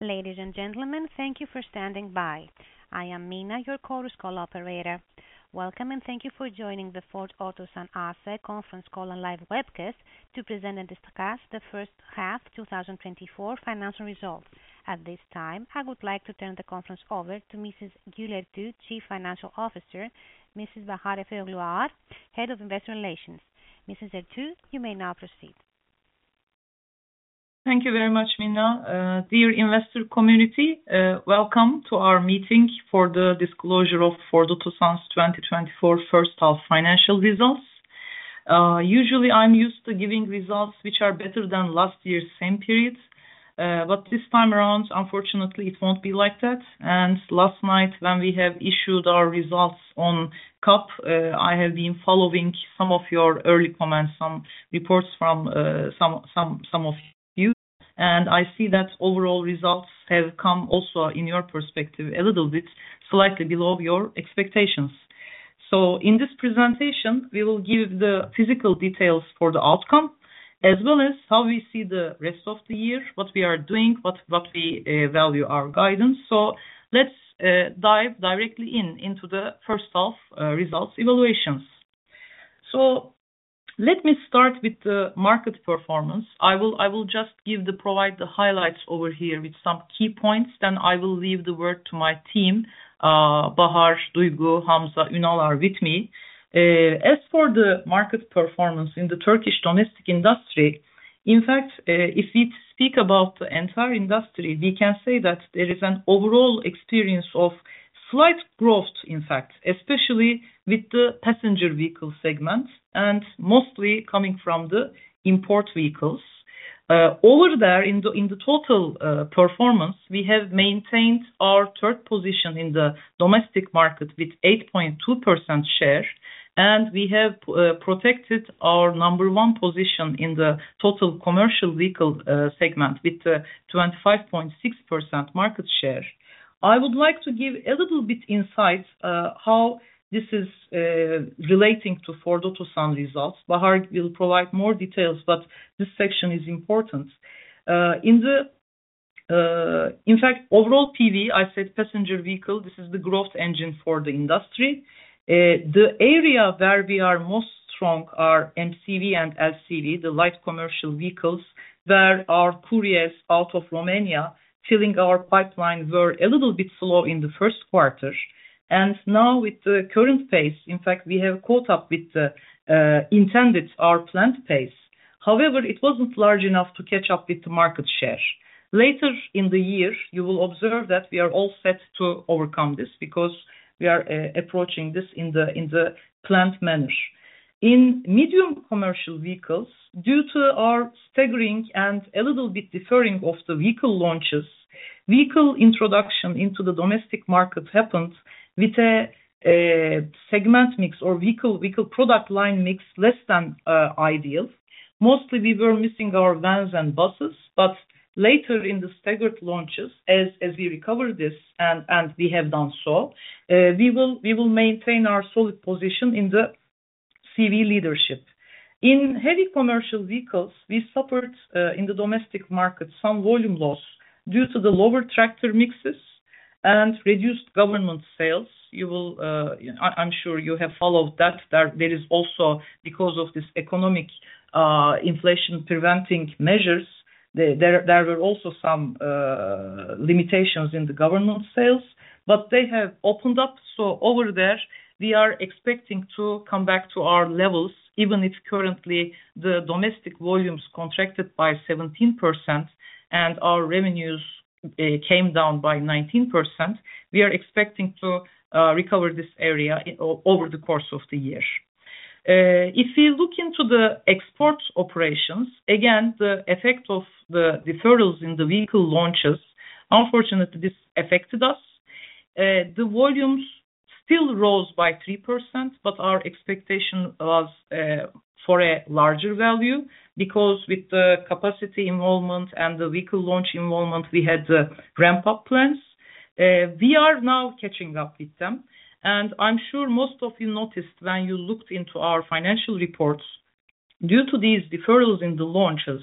Ladies and gentlemen, thank you for standing by. I am Mina, your Chorus Call operator. Welcome, and thank you for joining the Ford Otomotiv Sanayi A.Ş. conference call and live webcast to present and discuss the first half 2024 financial results. At this time, I would like to turn the conference over to Mrs. Gül Ertuğ, Chief Financial Officer, Mrs. Bahar Efeoğlu Ağar, Head of Investor Relations. Mrs. Ertuğ, you may now proceed. Thank you very much, Mina. Dear investor community, welcome to our meeting for the disclosure of Ford Otosan's 2024 first half financial results. Usually I'm used to giving results which are better than last year's same period, but this time around, unfortunately, it won't be like that. Last night when we have issued our results on KAP, I have been following some of your early comments, some reports from some of you, and I see that overall results have come also in your perspective, a little bit slightly below your expectations. In this presentation, we will give the physical details for the outcome as well as how we see the rest of the year, what we are doing, what we value our guidance. Let's dive directly into the first half results evaluations. Let me start with the market performance. I will just provide the highlights over here with some key points. Then I will leave the floor to my team, Bahar Efeoglu, Arsnal Ünal are with me. As for the market performance in the Turkish domestic industry, in fact, if we speak about the entire industry, we can say that there is an overall expansion of slight growth, in fact, especially with the passenger vehicle segment, and mostly coming from the imported vehicles. In the total performance, we have maintained our third position in the domestic market with 8.2% share, and we have protected our number one position in the total commercial vehicle segment with 25.6% market share. I would like to give a little bit insight, how this is, relating to Ford Otosan results. Bahar will provide more details, but this section is important. In fact, overall PV, I said passenger vehicle, this is the growth engine for the industry. The area where we are most strong are MCV and LCV, the light commercial vehicles, where our Couriers out of Romania filling our pipeline were a little bit slow in the first quarter. Now with the current pace, in fact, we have caught up with the, intended our planned pace. However, it wasn't large enough to catch up with the market share. Later in the year, you will observe that we are all set to overcome this because we are approaching this in the planned manner. In medium commercial vehicles, due to our staggering and a little bit deferring of the vehicle launches, vehicle introduction into the domestic market happened with a segment mix or vehicle product line mix less than ideal. Mostly we were missing our vans and buses, but later in the staggered launches, as we recover this and we have done so, we will maintain our solid position in the CV leadership. In heavy commercial vehicles, we suffered in the domestic market, some volume loss due to the lower tractor mixes and reduced government sales. I'm sure you have followed that. There is also because of this economic inflation preventing measures, there were also some limitations in the government sales, but they have opened up. Over there we are expecting to come back to our levels, even if currently the domestic volumes contracted by 17% and our revenues came down by 19%. We are expecting to recover this area over the course of the year. If we look into the export operations, again, the effect of the deferrals in the vehicle launches, unfortunately, this affected us. The volumes still rose by 3%, but our expectation was for a larger value because with the capacity involvement and the vehicle launch involvement, we had the ramp-up plans. We are now catching up with them. I'm sure most of you noticed when you looked into our financial reports, due to these deferrals in the launches,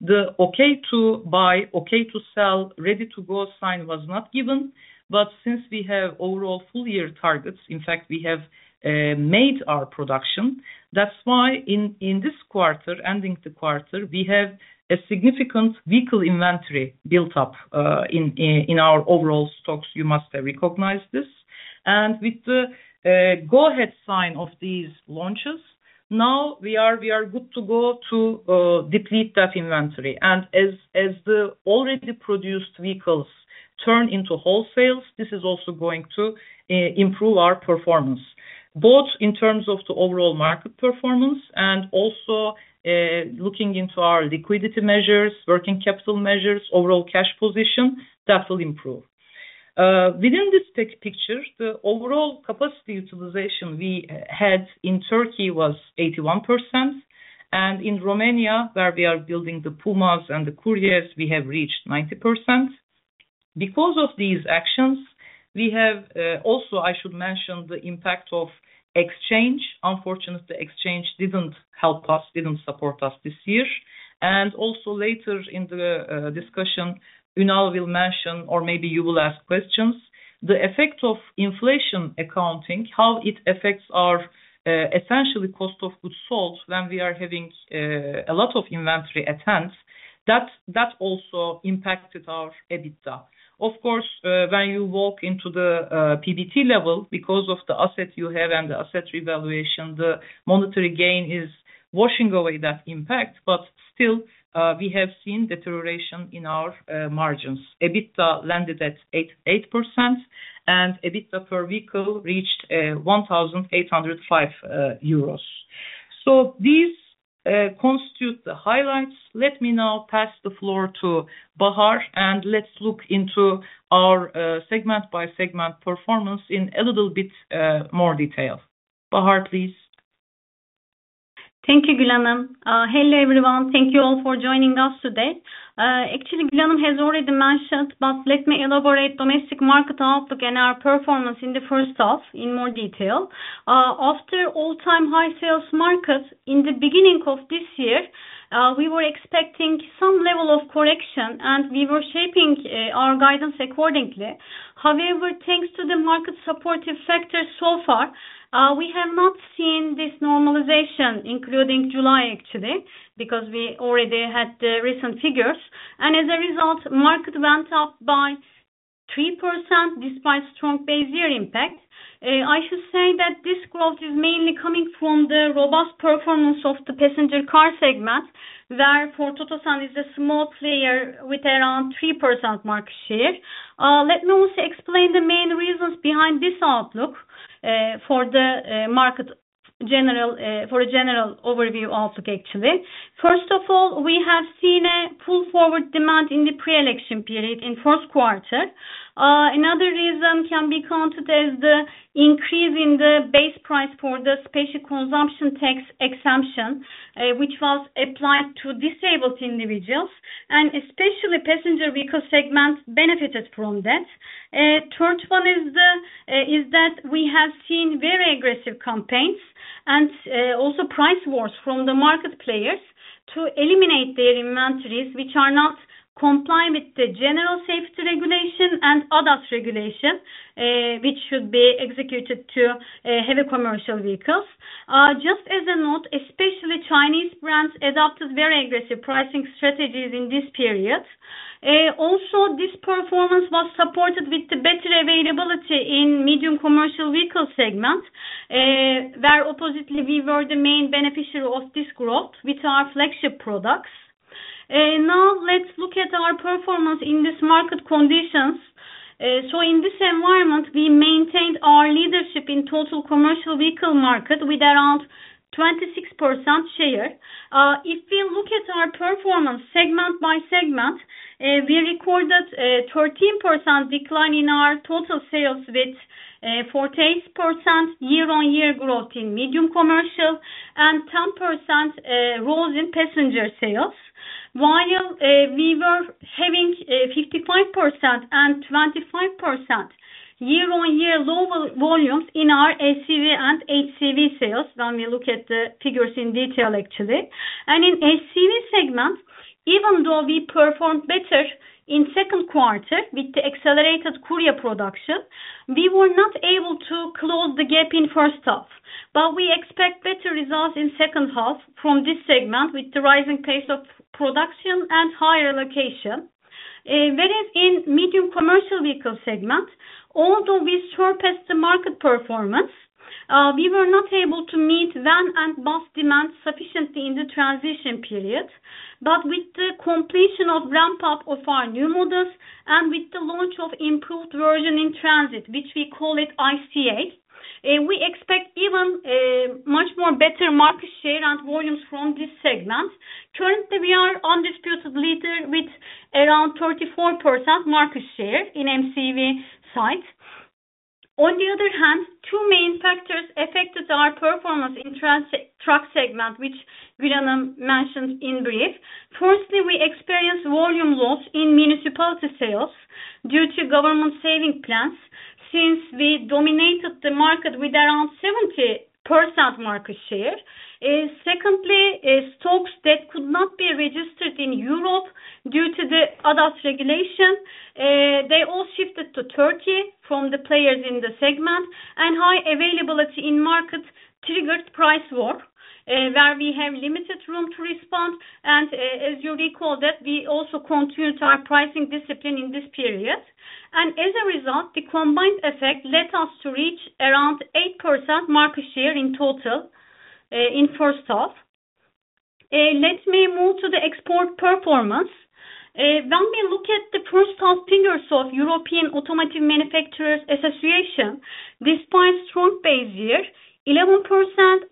the okay to buy, okay to sell, ready to go sign was not given. Since we have overall full year targets, in fact we have made our production. That's why in this quarter, ending the quarter, we have a significant vehicle inventory built up in our overall stocks. You must have recognized this. With the go ahead sign of these launches, now we are good to go to deplete that inventory. As the already produced vehicles turn into wholesales, this is also going to improve our performance, both in terms of the overall market performance and also looking into our liquidity measures, working capital measures, overall cash position, that will improve. Within this picture, the overall capacity utilization we had in Turkey was 81%. In Romania, where we are building the Puma and the Courier, we have reached 90%. Because of these actions, we have also I should mention the impact of exchange. Unfortunately, exchange didn't help us, didn't support us this year. Also later in the discussion, you now will mention or maybe you will ask questions. The effect of inflation accounting, how it affects our essentially cost of goods sold when we are having a lot of inventory at hand, that also impacted our EBITDA. Of course, when you walk into the PBT level, because of the assets you have and the asset revaluation, the monetary gain is washing away that impact. But still, we have seen deterioration in our margins. EBITDA landed at 8%, and EBITDA per vehicle reached 1,805 euros. These constitute the highlights. Let me now pass the floor to Bahar, and let's look into our segment-by-segment performance in a little bit more detail. Bahar, please. Thank you, Gul ma'am. Hello, everyone. Thank you all for joining us today. Actually, Gul ma'am has already mentioned, but let me elaborate domestic market outlook and our performance in the first half in more detail. After all-time high sales markets in the beginning of this year, we were expecting some level of correction, and we were shaping our guidance accordingly. However, thanks to the market supportive factors so far, we have not seen this normalization, including July actually, because we already had the recent figures. As a result, market went up by 3% despite strong base year impact. I should say that this growth is mainly coming from the robust performance of the passenger car segment, where Ford Otosan is a small player with around 3% market share. Let me also explain the main reasons behind this outlook for a general overview outlook actually. First of all, we have seen a pull-forward demand in the pre-election period in first quarter. Another reason can be counted as the increase in the base price for the Special Consumption Tax exemption, which was applied to disabled individuals, and especially passenger vehicle segment benefited from that. Third one is that we have seen very aggressive campaigns and also price wars from the market players to eliminate their inventories, which are not compliant with the General Safety Regulation and ADAS regulation, which should be executed to heavy commercial vehicles. Just as a note, especially Chinese brands adopted very aggressive pricing strategies in this period. Also this performance was supported with the better availability in medium commercial vehicle segment, where oppositely we were the main beneficiary of this growth with our flagship products. Now let's look at our performance in this market conditions. In this environment, we maintained our leadership in total commercial vehicle market with around 26% share. If we look at our performance segment by segment, we recorded a 13% decline in our total sales with, 14% year-on-year growth in medium commercial and 10% growth in passenger sales. While, we were having, 55% and 25% year-on-year lower volumes in our SCV and HCV sales, when we look at the figures in detail actually. In SCV segment, even though we performed better in second quarter with the accelerated Korea production, we were not able to close the gap in first half. We expect better results in second half from this segment with the rising pace of production and higher localization. Whereas in medium commercial vehicle segment, although we surpassed the market performance, we were not able to meet van and bus demand sufficiently in the transition period. With the completion of ramp up of our new models and with the launch of improved version in Transit, which we call it ICA, we expect even much more better market share and volumes from this segment. Currently, we are undisputed leader with around 34% market share in MCV side. On the other hand, two main factors affected our performance in truck segment, which Gul mentioned in brief. Firstly, we experienced volume loss in municipality sales due to government saving plans since we dominated the market with around 70% market share. Secondly, stocks that could not be registered in Europe due to the ADAS regulation, they all shifted to Turkey from the players in the segment. High availability in market triggered price war, where we have limited room to respond. As you recall that we also continued our pricing discipline in this period. As a result, the combined effect led us to reach around 8% market share in total, in first half. Let me move to the export performance. When we look at the first half figures of European Automobile Manufacturers' Association, despite strong base year, 11%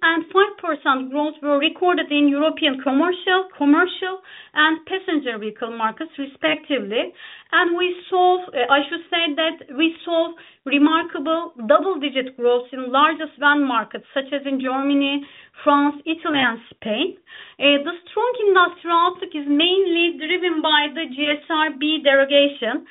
and 5% growth were recorded in European commercial and passenger vehicle markets respectively. We saw remarkable double-digit growth in largest van markets such as in Germany, France, Italy and Spain. The strong industrial is mainly driven by the GSR derogation.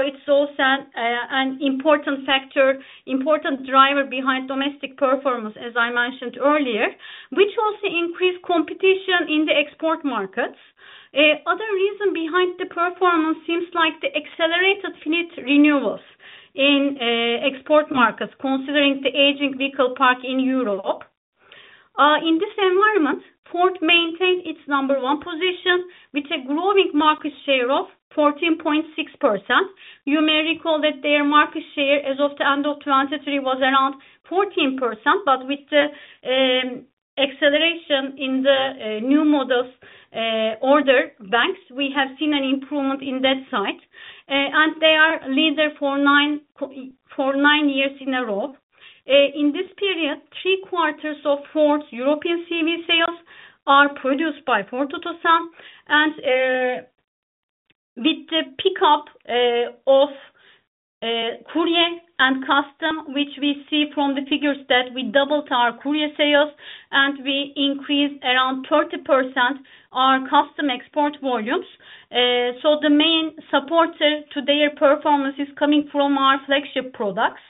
It's also an important driver behind domestic performance, as I mentioned earlier, which also increased competition in the export markets. Another reason behind the performance seems like the accelerated fleet renewals in export markets considering the aging vehicle park in Europe. In this environment, Ford maintained its number one position with a growing market share of 14.6%. You may recall that their market share as of the end of 2023 was around 14%. With the acceleration in the new models order banks, we have seen an improvement in that side. They are leader for nine years in a row. In this period, 3/4 of Ford's European CV sales are produced by Ford Otosan. With the pickup of Courier and Custom, which we see from the figures that we doubled our Courier sales, and we increased around 30% our Custom export volumes. The main supporter to their performance is coming from our flagship products.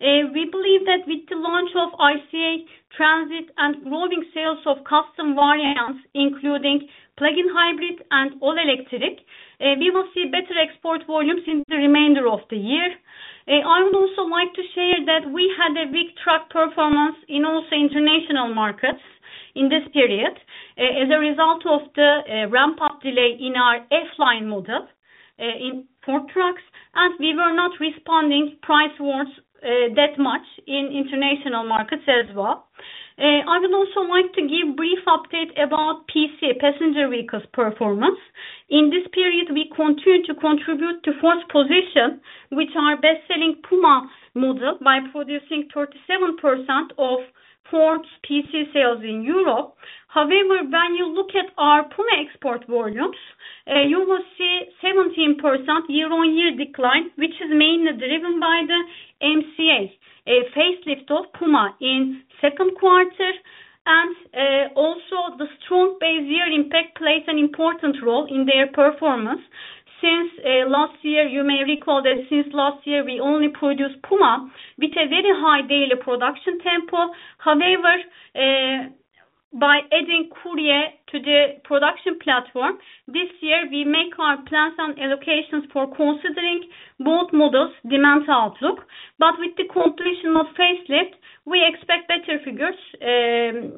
We believe that with the launch of E-Transit and growing sales of Custom variants, including plug-in hybrid and all electric, we will see better export volumes in the remainder of the year. I would also like to share that we had a big truck performance in also international markets in this period. As a result of the ramp-up delay in our F-LINE model in Ford Trucks, and we were not responding to price wars that much in international markets as well. I would also like to give a brief update about PC, passenger vehicles performance. In this period, we continue to contribute to Ford's position, which are best-selling Puma model by producing 37% of Ford's PC sales in Europe. However, when you look at our Puma export volumes, you will see 17% year-on-year decline, which is mainly driven by the MCA, a facelift of Puma in second quarter. Also, the strong base year impact plays an important role in their performance. Since last year, you may recall that we only produced Puma with a very high daily production tempo. However, by adding Courier to the production platform, this year, we make our plans and allocations for considering both models' demand outlook. With the completion of facelift, we expect better figures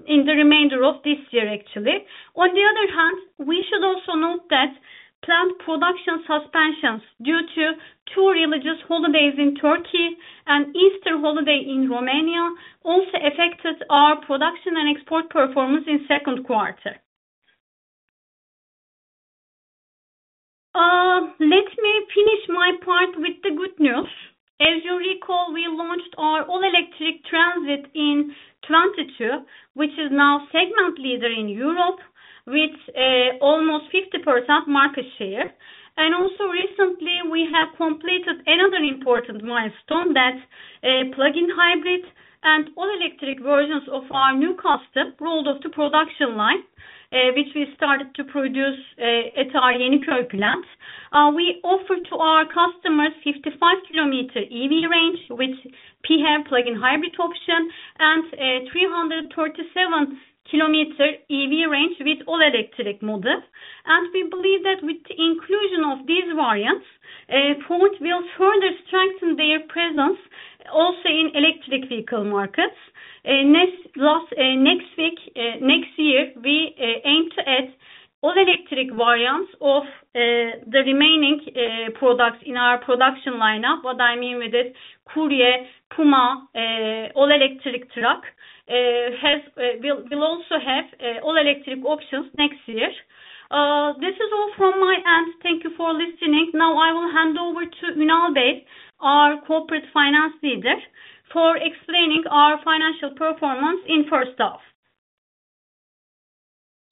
in the remainder of this year, actually. On the other hand, we should also note that plant production suspensions due to two religious holidays in Turkey and Easter holiday in Romania also affected our production and export performance in second quarter. Let me finish my part with the good news. As you recall, we launched our all-electric Transit in 2022, which is now segment leader in Europe with almost 50% market share. Also recently, we have completed another important milestone that plug-in hybrid and all-electric versions of our new Custom rolled off the production line, which we started to produce at our Yeniköy plant. We offer to our customers 55 km EV range with PHEV plug-in hybrid option and a 337 km EV range with all-electric model. We believe that with the inclusion of these variants, Ford will further strengthen their presence also in electric vehicle markets. Next year, we aim to add all-electric variants of the remaining products in our production lineup. What I mean with it, Courier, Puma, all-electric truck will also have all-electric options next year. This is all from my end. Thank you for listening. Now, I will hand over to Ünal, our corporate finance leader, for explaining our financial performance in first half.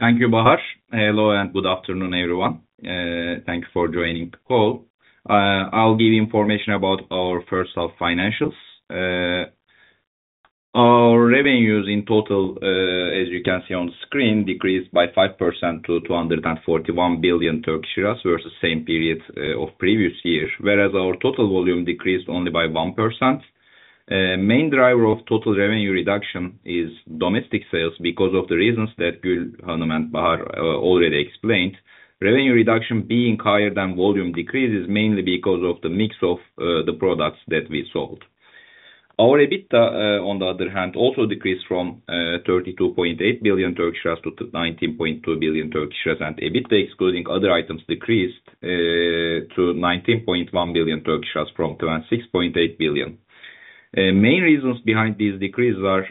Thank you, Bahar. Hello, and good afternoon, everyone. Thank you for joining the call. I'll give you information about our first half financials. Our revenues in total, as you can see on the screen, decreased by 5% to 241 billion versus same period of previous year. Whereas our total volume decreased only by 1%. Main driver of total revenue reduction is domestic sales because of the reasons that Gül and Bahar already explained. Revenue reduction being higher than volume decrease is mainly because of the mix of the products that we sold. Our EBITDA, on the other hand, also decreased from 32.8 billion to 19.2 billion. EBITDA excluding other items decreased to 19.1 billion from 26.8 billion. Main reasons behind these decreases are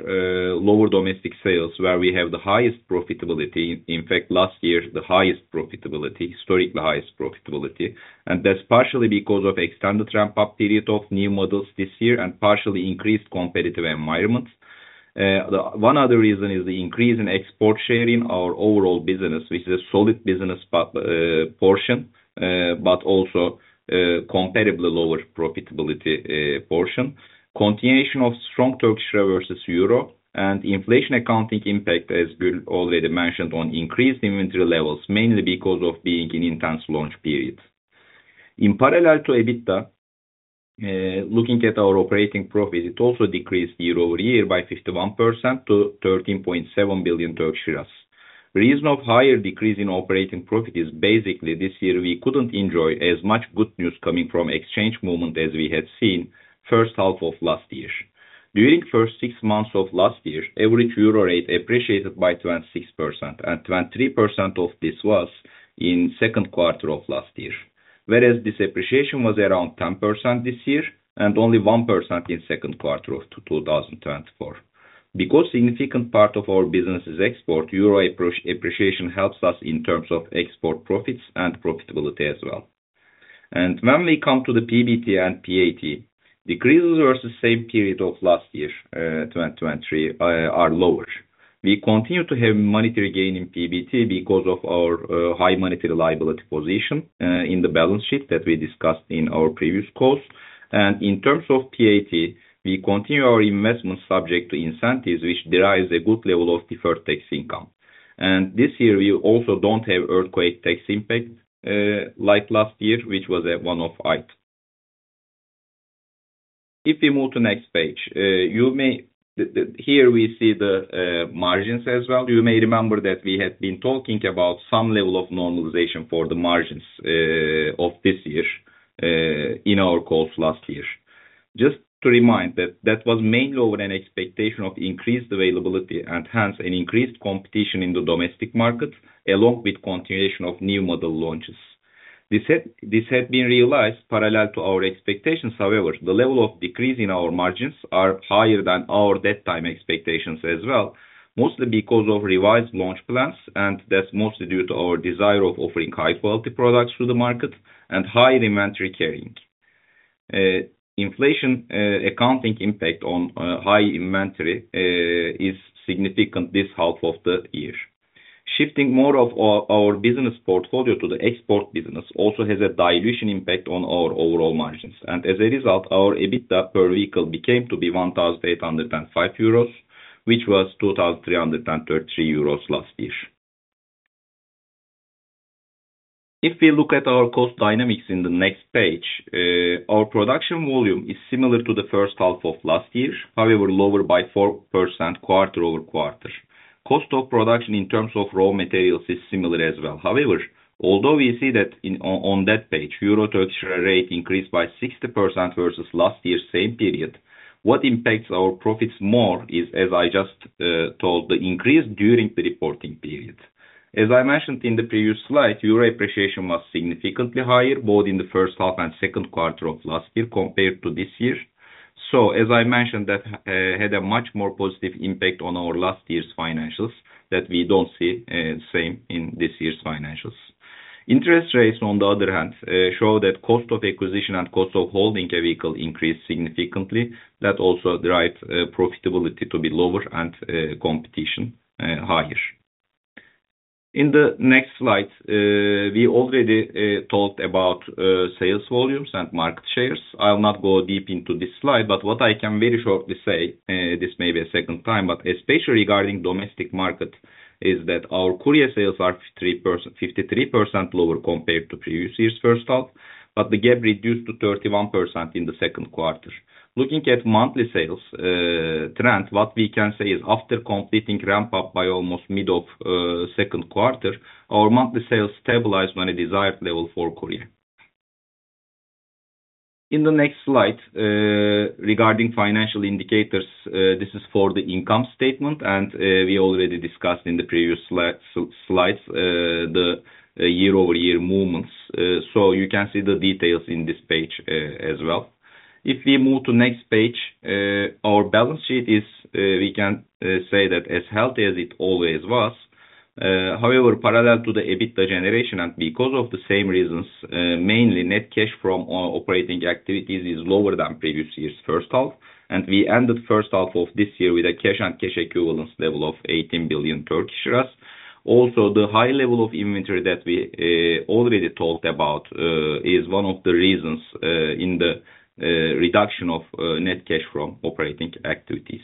lower domestic sales, where we have the highest profitability. In fact, last year is the highest profitability, historically highest profitability. That's partially because of extended ramp-up period of new models this year and partially increased competitive environment. One other reason is the increase in export share in our overall business, which is a solid business portion, but also comparably lower profitability portion. Continuation of strong Turkish lira versus euro and inflation accounting impact, as Gül already mentioned, on increased inventory levels, mainly because of being in intense launch periods. In parallel to EBITDA, looking at our operating profit, it also decreased year-over-year by 51% to 13.7 billion. The reason of higher decrease in operating profit is basically this year we couldn't enjoy as much good news coming from exchange movement as we had seen first half of last year. During first six months of last year, average euro rate appreciated by 26% and 23% of this was in second quarter of last year. Whereas this appreciation was around 10% this year and only 1% in second quarter of 2024. Because significant part of our business is export, euro appreciation helps us in terms of export profits and profitability as well. When we come to the PBT and PAT, decreases versus same period of last year, 2023, are lower. We continue to have monetary gain in PBT because of our high monetary liability position in the balance sheet that we discussed in our previous calls. In terms of PAT, we continue our investment subject to incentives, which derives a good level of deferred tax income. This year, we also don't have earthquake tax impact like last year, which was a one-off item. If we move to next page, here we see the margins as well. You may remember that we had been talking about some level of normalization for the margins of this year in our calls last year. Just to remind that was mainly over an expectation of increased availability and hence an increased competition in the domestic market, along with continuation of new model launches. This had been realized parallel to our expectations. However, the level of decrease in our margins are higher than our that time expectations as well, mostly because of revised launch plans, and that's mostly due to our desire of offering high-quality products to the market and higher inventory carrying. Inflation, accounting impact on, high inventory, is significant this half of the year. Shifting more of our business portfolio to the export business also has a dilution impact on our overall margins. As a result, our EBITDA per vehicle became to be 1,805 euros, which was 2,333 euros last year. If we look at our cost dynamics in the next page, our production volume is similar to the first half of last year, however, lower by 4% quarter-over-quarter. Cost of production in terms of raw materials is similar as well. However, although we see that on that page, euro to Turkish lira rate increased by 60% versus last year's same period, what impacts our profits more is, as I just told, the increase during the reporting period. As I mentioned in the previous slide, euro appreciation was significantly higher, both in the first half and second quarter of last year compared to this year. As I mentioned, that had a much more positive impact on our last year's financials that we don't see the same in this year's financials. Interest rates, on the other hand, show that cost of acquisition and cost of holding a vehicle increased significantly. That also drives profitability to be lower and competition higher. In the next slide, we already talked about sales volumes and market shares. I'll not go deep into this slide, but what I can very shortly say, this may be a second time, but especially regarding domestic market, is that our Courier sales are 53% lower compared to previous year's first half, but the gap reduced to 31% in the second quarter. Looking at monthly sales trend, what we can say is after completing ramp up by almost mid of second quarter, our monthly sales stabilized on a desired level for Courier. In the next slide, regarding financial indicators, this is for the income statement, and we already discussed in the previous slides the year-over-year movements. You can see the details in this page as well. If we move to next page, our balance sheet is, we can say that as healthy as it always was. However, parallel to the EBITDA generation and because of the same reasons, mainly net cash from operating activities is lower than previous year's first half. We ended first half of this year with a cash-and-cash equivalence level of 18 billion. Also, the high level of inventory that we already talked about is one of the reasons in the reduction of net cash from operating activities.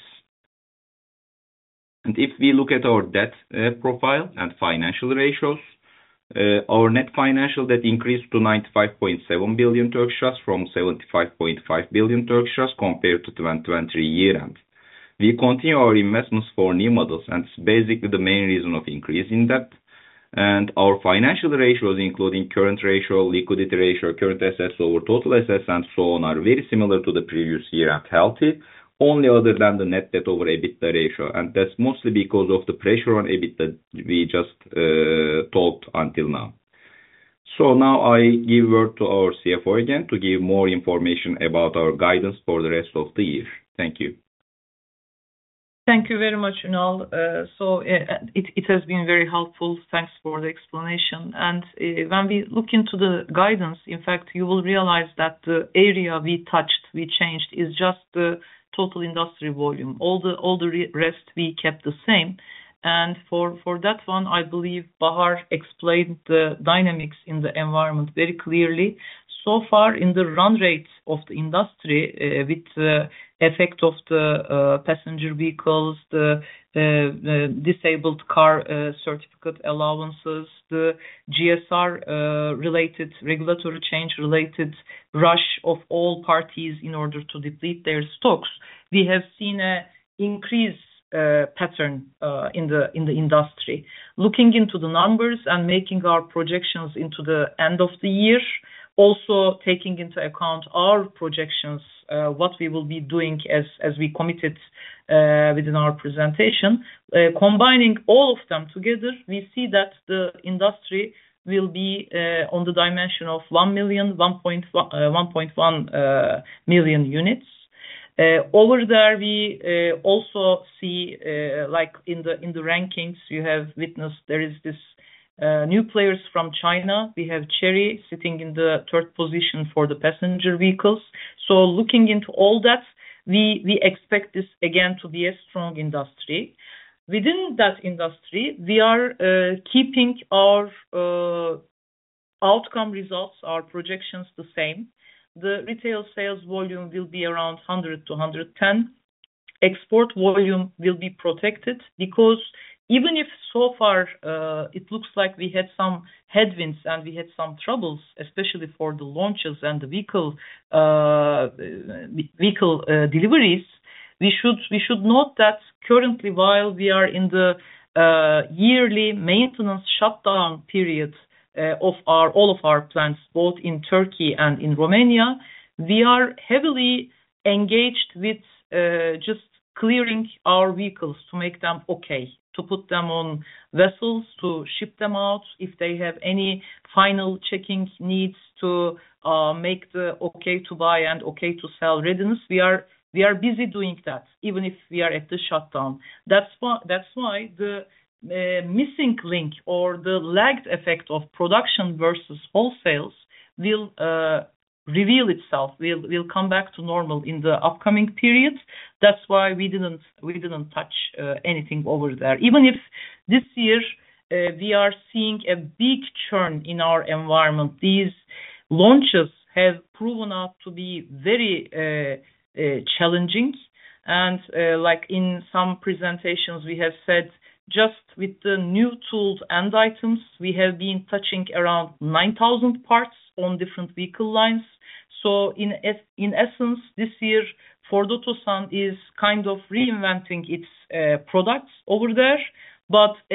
If we look at our debt profile and financial ratios, our net financial debt increased to 95.7 billion from 75.5 billion compared to 2023 year end. We continue our investments for new models, and basically the main reason of increase in debt. Our financial ratios, including current ratio, liquidity ratio, current assets over total assets and so on, are very similar to the previous year and healthy, only other than the net debt over EBITDA ratio. That's mostly because of the pressure on EBITDA we just talked until now. Now I give word to our CFO again to give more information about our guidance for the rest of the year. Thank you. Thank you very much, Ünal. So it has been very helpful. Thanks for the explanation. When we look into the guidance, in fact, you will realize that the area we touched, we changed, is just the total industry volume. All the rest we kept the same. For that one, I believe Bahar explained the dynamics in the environment very clearly. So far in the run rates of the industry, with the effect of the passenger vehicles, the disabled car certificate allowances, the GSR related regulatory change related rush of all parties in order to deplete their stocks. We have seen an increase pattern in the industry. Looking into the numbers and making our projections into the end of the year, also taking into account our projections, what we will be doing as we committed within our presentation. Combining all of them together, we see that the industry will be on the dimension of 1.1 million units. Over there we also see, like in the rankings you have witnessed there is this new players from China. We have Chery sitting in the third position for the passenger vehicles. Looking into all that we expect this again to be a strong industry. Within that industry we are keeping our outcome results, our projections the same. The retail sales volume will be around 100-110. Export volume will be protected because even if so far, it looks like we had some headwinds and we had some troubles, especially for the launches and the vehicle deliveries. We should note that currently while we are in the yearly maintenance shutdown period of all our plants, both in Turkey and in Romania, we are heavily engaged with just clearing our vehicles to make them okay, to put them on vessels, to ship them out if they have any final checking needs to make the okay to buy and okay to sell readiness. We are busy doing that even if we are at the shutdown. That's why the missing link or the lagged effect of production versus all sales will reveal itself. Will come back to normal in the upcoming periods. That's why we didn't touch anything over there. Even if this year we are seeing a big churn in our environment. These launches have proven out to be very challenging and like in some presentations we have said just with the new tools and items we have been touching around 9,000 parts on different vehicle lines. In essence this year Ford Otosan is kind of reinventing its products over there.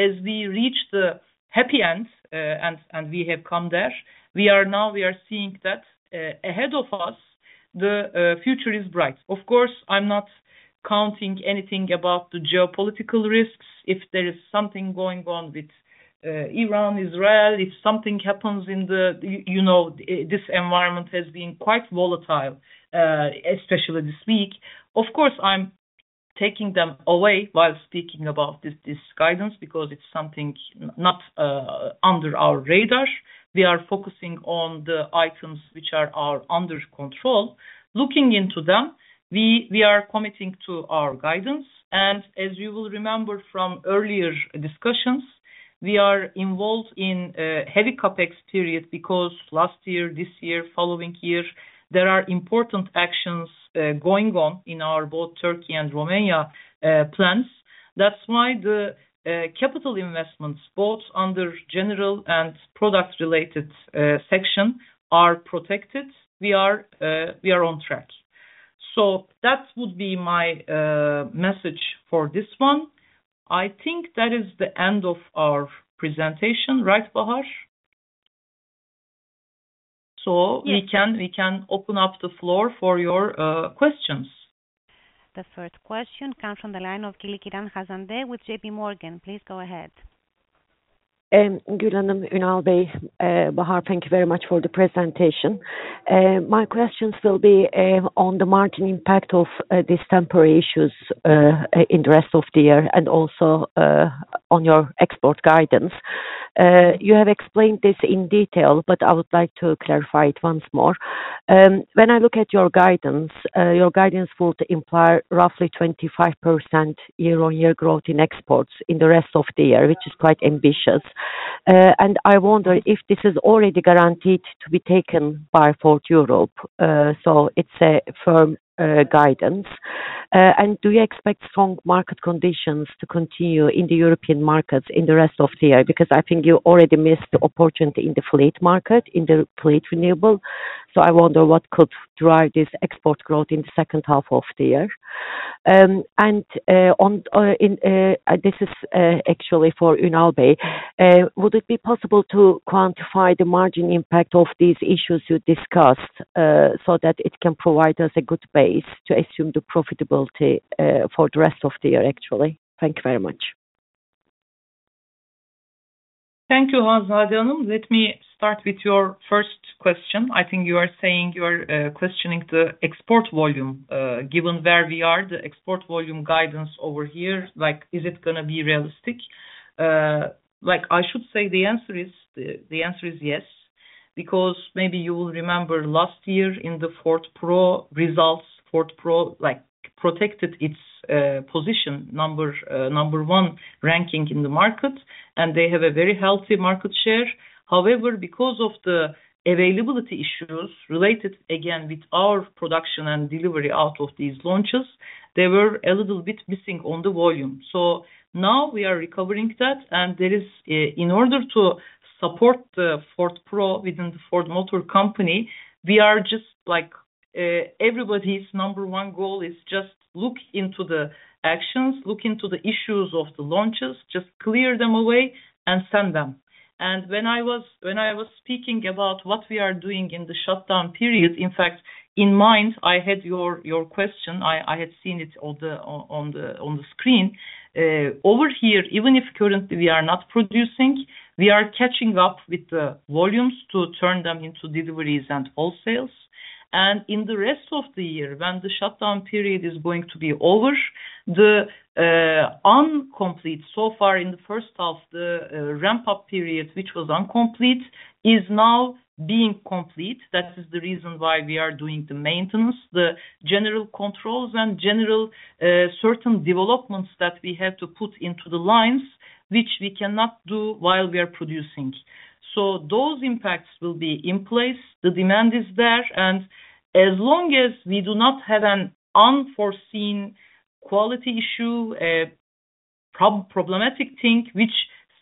As we reach the happy end and we have come there, we are seeing that ahead of us the future is bright. Of course, I'm not counting anything about the geopolitical risks. If there is something going on with Iran, Israel, if something happens in the You know, this environment has been quite volatile, especially this week. Of course, I'm taking them away while speaking about this guidance because it's something not under our radar. We are focusing on the items which are under control. Looking into them, we are committing to our guidance. As you will remember from earlier discussions, we are involved in a heavy CapEx period because last year, this year, following year, there are important actions going on in our both Turkey and Romania plants. That's why the capital investments, both under general and product related section, are protected. We are on track. That would be my message for this one. I think that is the end of our presentation, right, Bahar? So we can- Yes. We can open up the floor for your questions. The first question comes from the line of Hanzade Kilickiran with JPMorgan. Please go ahead. Gül, Ünal, Bahar, thank you very much for the presentation. My questions will be on the margin impact of these temporary issues in the rest of the year and also on your export guidance. You have explained this in detail, but I would like to clarify it once more. When I look at your guidance, your guidance would imply roughly 25% year-on-year growth in exports in the rest of the year, which is quite ambitious. And I wonder if this is already guaranteed to be taken by Ford of Europe. So it's a firm guidance. And do you expect strong market conditions to continue in the European markets in the rest of the year? Because I think you already missed the opportunity in the fleet market, in the fleet renewable. I wonder what could drive this export growth in the second half of the year. This is actually for Ünal. Would it be possible to quantify the margin impact of these issues you discussed, so that it can provide us a good base to assume the profitability for the rest of the year, actually? Thank you very much. Thank you, Hanzade. Let me start with your first question. I think you are saying you are questioning the export volume, given where we are, the export volume guidance over here, like, is it gonna be realistic? Like, I should say the answer is yes, because maybe you will remember last year in the Ford Pro results, Ford Pro like protected its position number one ranking in the market, and they have a very healthy market share. However, because of the availability issues related again with our production and delivery out of these launches, they were a little bit missing on the volume. Now we are recovering that and there is, in order to support the Ford Pro within the Ford Motor Company, we are just like, everybody's number one goal is just look into the actions, look into the issues of the launches, just clear them away and send them. When I was speaking about what we are doing in the shutdown period, in fact, in my mind, I had your question, I had seen it on the screen. Over here, even if currently we are not producing, we are catching up with the volumes to turn them into deliveries and all sales. In the rest of the year when the shutdown period is going to be over, the incomplete so far in the first half, the ramp-up period, which was incomplete, is now being complete. That is the reason why we are doing the maintenance, the general controls and general, certain developments that we had to put into the lines, which we cannot do while we are producing. Those impacts will be in place. The demand is there. As long as we do not have an unforeseen quality issue, problematic thing which,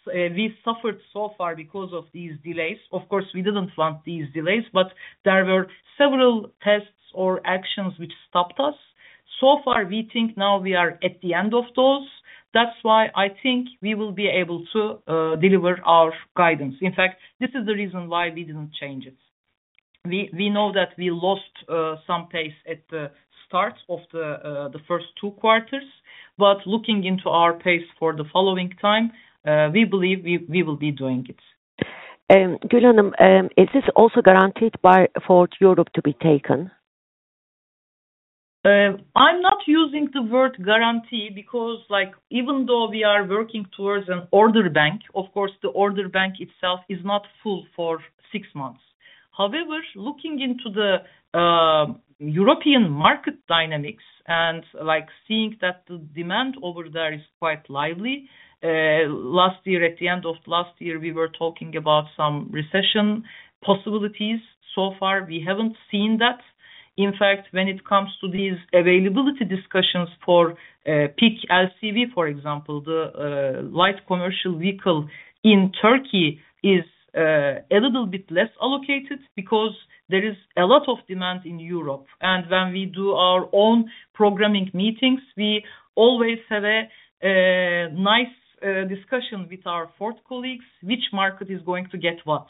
we suffered so far because of these delays. Of course, we didn't want these delays, but there were several tests or actions which stopped us. We think now we are at the end of those. That's why I think we will be able to deliver our guidance. In fact, this is the reason why we didn't change it. We know that we lost some pace at the start of the first two quarters, but looking into our pace for the following time, we believe we will be doing it. Gül, is this also guaranteed by Ford of Europe to be taken? I'm not using the word guarantee because, like, even though we are working towards an order bank, of course, the order bank itself is not full for six months. However, looking into the European market dynamics and, like, seeing that the demand over there is quite lively. Last year, at the end of last year, we were talking about some recession possibilities. So far, we haven't seen that. In fact, when it comes to these availability discussions for peak LCV, for example, the light commercial vehicle in Turkey is a little bit less allocated because there is a lot of demand in Europe. When we do our own programming meetings, we always have a nice discussion with our Ford colleagues which market is going to get what.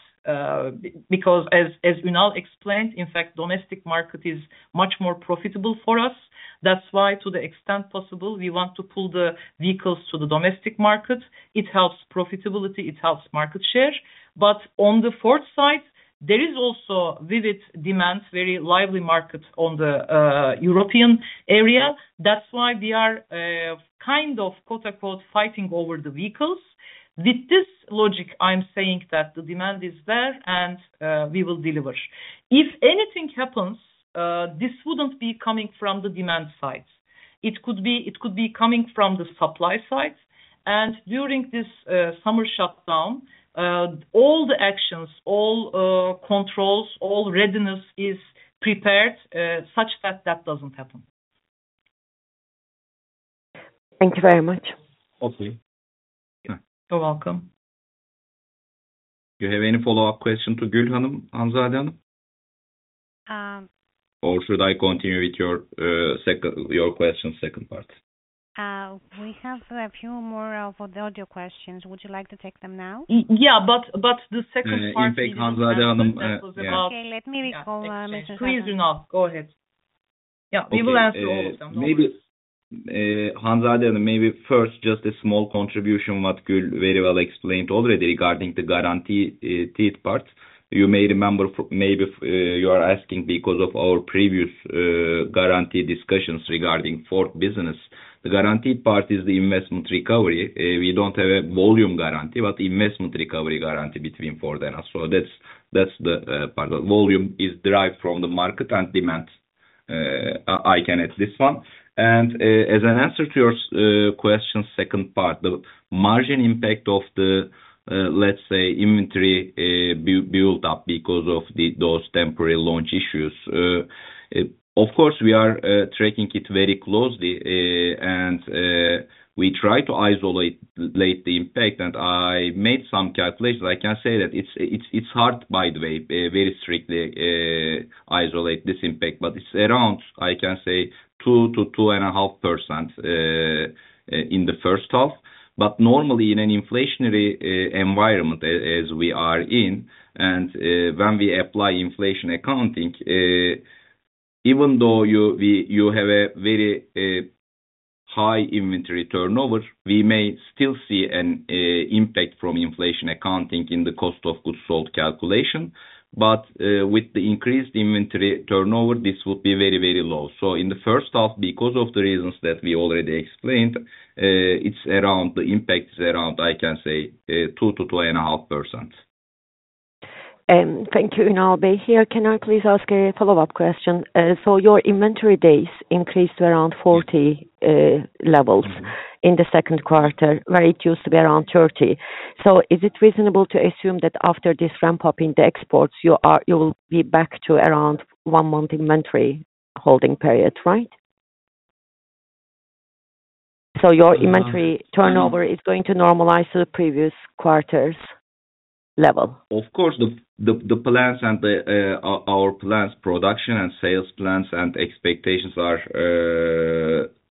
Because as Ünal explained, in fact, domestic market is much more profitable for us. That's why, to the extent possible, we want to pull the vehicles to the domestic market. It helps profitability, it helps market share. But on the Ford side, there is also vivid demand, very lively market on the European area. That's why we are kind of quote-unquote, "fighting over the vehicles." With this logic, I'm saying that the demand is there and we will deliver. If anything happens, this wouldn't be coming from the demand side. It could be coming from the supply side. During this summer shutdown, all the actions, all controls, all readiness is prepared such that that doesn't happen. Thank you very much. Okay. You're welcome. Do you have any follow-up question to Gül, Hanzade? Um- Should I continue with your question's second part? We have a few more for the audio questions. Would you like to take them now? Yeah, the second part is. In fact, Hanzade, yeah. Okay, let me recall, Mr. Arslan. Please, Ünal, go ahead. Yeah, we will answer all of them. Okay. Maybe, Hanzade, maybe first just a small contribution that Gül very well explained already regarding the guarantee, tied part. You may remember, maybe, you are asking because of our previous, guarantee discussions regarding Ford business. The guaranteed part is the investment recovery. We don't have a volume guarantee, but investment recovery guarantee between Ford and us. So that's the part. The volume is derived from the market and demand. I can add this one. As an answer to your question's second part, the margin impact of the, let's say, inventory, built up because of those temporary launch issues. Of course, we are tracking it very closely, and we try to isolate the impact. I made some calculations. I can say that it's hard, by the way, very strictly isolate this impact, but it's around, I can say, 2%-2.5% in the first half. Normally in an inflationary environment as we are in and when we apply inflation accounting, even though we have a very high inventory turnover, we may still see an impact from inflation accounting in the cost of goods sold calculation. With the increased inventory turnover, this would be very, very low. In the first half, because of the reasons that we already explained, it's around, the impact is around, I can say, 2%-2.5%. Thank you, Ünal. Here, can I please ask a follow-up question? Your inventory days increased to around 40 levels in the second quarter, where it used to be around 30. Is it reasonable to assume that after this ramp-up in the exports, you are, you will be back to around one month inventory holding period, right? Your inventory turnover is going to normalize to the previous quarter's level? Of course, the plans and our plans, production and sales plans and expectations are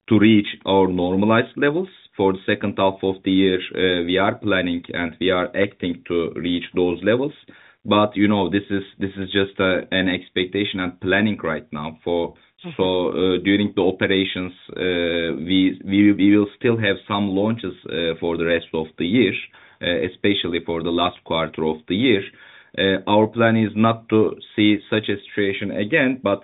to reach our normalized levels for the second half of the year. We are planning and we are acting to reach those levels. You know, this is just an expectation and planning right now for Mm-hmm. During the operations, we will still have some launches for the rest of the year, especially for the last quarter of the year. Our plan is not to see such a situation again, but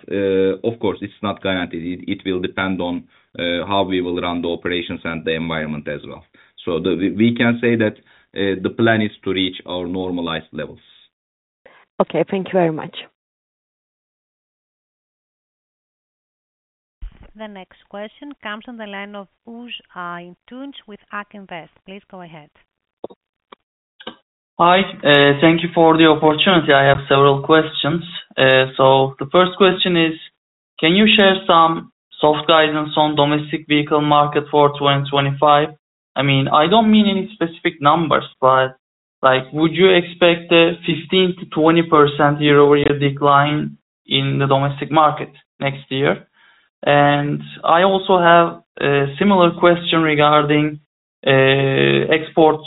of course, it's not guaranteed. It will depend on how we will run the operations and the environment as well. We can say that the plan is to reach our normalized levels. Okay. Thank you very much. The next question comes on the line of Uge Antunes with Banco Santander. Please go ahead. Hi. Thank you for the opportunity. I have several questions. So the first question is, can you share some soft guidance on domestic vehicle market for 2025? I mean, I don't mean any specific numbers, but, like, would you expect a 15%-20% year-over-year decline in the domestic market next year? I also have a similar question regarding exports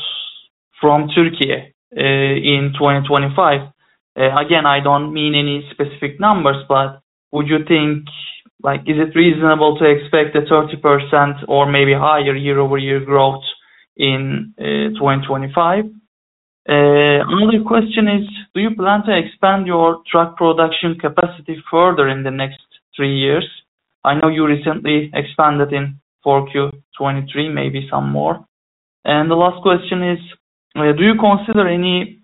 from Turkey in 2025. Again, I don't mean any specific numbers, but would you think, like is it reasonable to expect a 30% or maybe higher year-over-year growth in 2025? Another question is, do you plan to expand your truck production capacity further in the next three years? I know you recently expanded in 4Q 2023, maybe some more. The last question is, do you consider any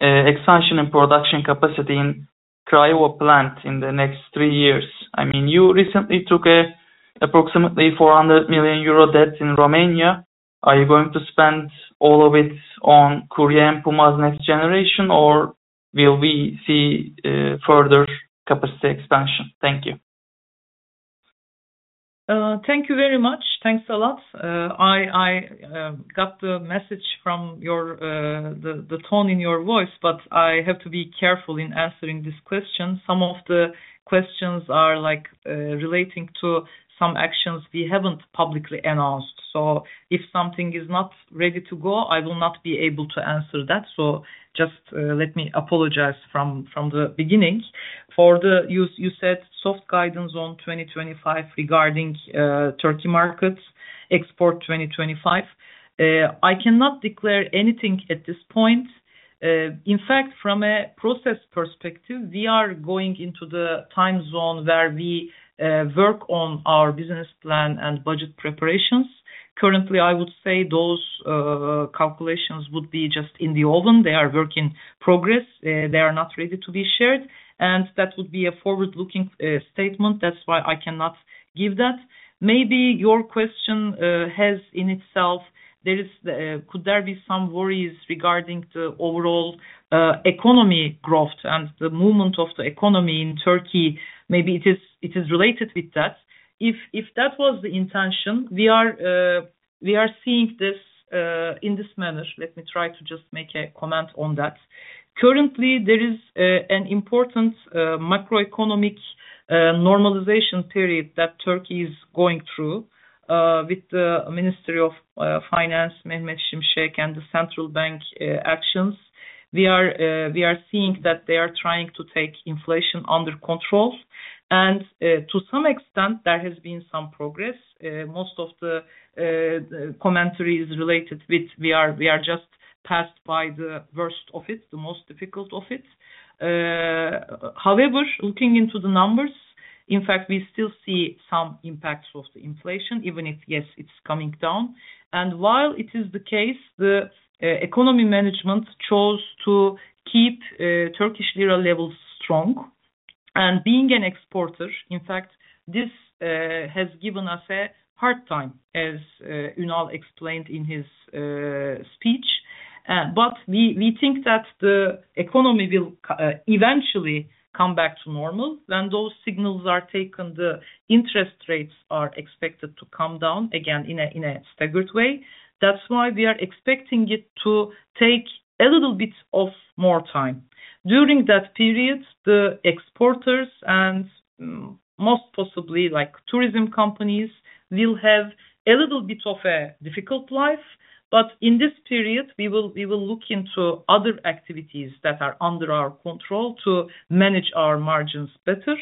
expansion and production capacity in Craiova plant in the next three years? I mean, you recently took approximately 400 million euro debt in Romania. Are you going to spend all of it on Courier and Puma's next generation, or will we see further capacity expansion? Thank you. Thank you very much. Thanks a lot. I got the message from the tone in your voice, but I have to be careful in answering this question. Some of the questions are like relating to some actions we haven't publicly announced. If something is not ready to go, I will not be able to answer that. Just let me apologize from the beginning. You said soft guidance on 2025 regarding Turkish market export 2025. I cannot declare anything at this point. In fact, from a process perspective, we are going into the time zone where we work on our business plan and budget preparations. Currently, I would say those calculations would be just in the oven. They are work in progress. They are not ready to be shared, and that would be a forward-looking statement. That's why I cannot give that. Maybe your question has in itself could there be some worries regarding the overall economic growth and the movement of the economy in Turkey? Maybe it is related with that. If that was the intention, we are seeing this in this manner. Let me try to just make a comment on that. Currently, there is an important macroeconomic normalization period that Turkey is going through with the Ministry of Finance, Mehmet Şimşek, and the central bank actions. We are seeing that they are trying to take inflation under control. To some extent, there has been some progress. Most of the commentary is related with we are just passed by the worst of it, the most difficult of it. However, looking into the numbers, in fact, we still see some impacts of the inflation even if, yes, it's coming down. While it is the case, the economy management chose to keep Turkish lira levels strong. Being an exporter, in fact, this has given us a hard time, as Ünal explained in his speech. We think that the economy will eventually come back to normal. When those signals are taken, the interest rates are expected to come down again in a staggered way. That's why we are expecting it to take a little bit of more time. During that period, the exporters and most possibly, like tourism companies, will have a little bit of a difficult life. In this period we will look into other activities that are under our control to manage our margins better.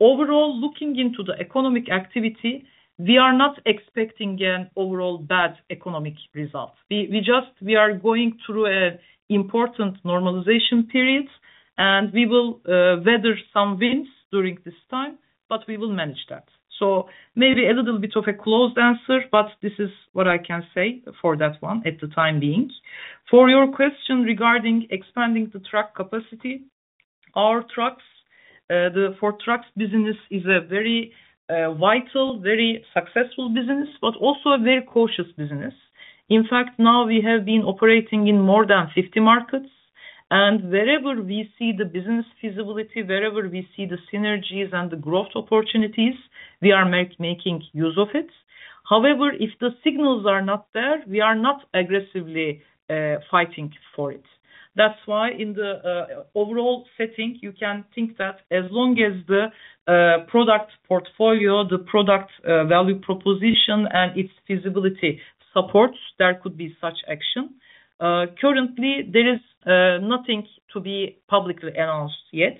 Overall, looking into the economic activity, we are not expecting an overall bad economic result. We just are going through an important normalization period, and we will weather some winds during this time, but we will manage that. Maybe a little bit of a closed answer, but this is what I can say for that one at the time being. For your question regarding expanding the truck capacity, our trucks, the Ford Trucks business is a very vital, very successful business, but also a very cautious business. In fact, now we have been operating in more than 50 markets. Wherever we see the business feasibility, wherever we see the synergies and the growth opportunities, we are making use of it. However, if the signals are not there, we are not aggressively fighting for it. That's why in the overall setting, you can think that as long as the product portfolio, the product value proposition and its feasibility supports, there could be such action. Currently there is nothing to be publicly announced yet.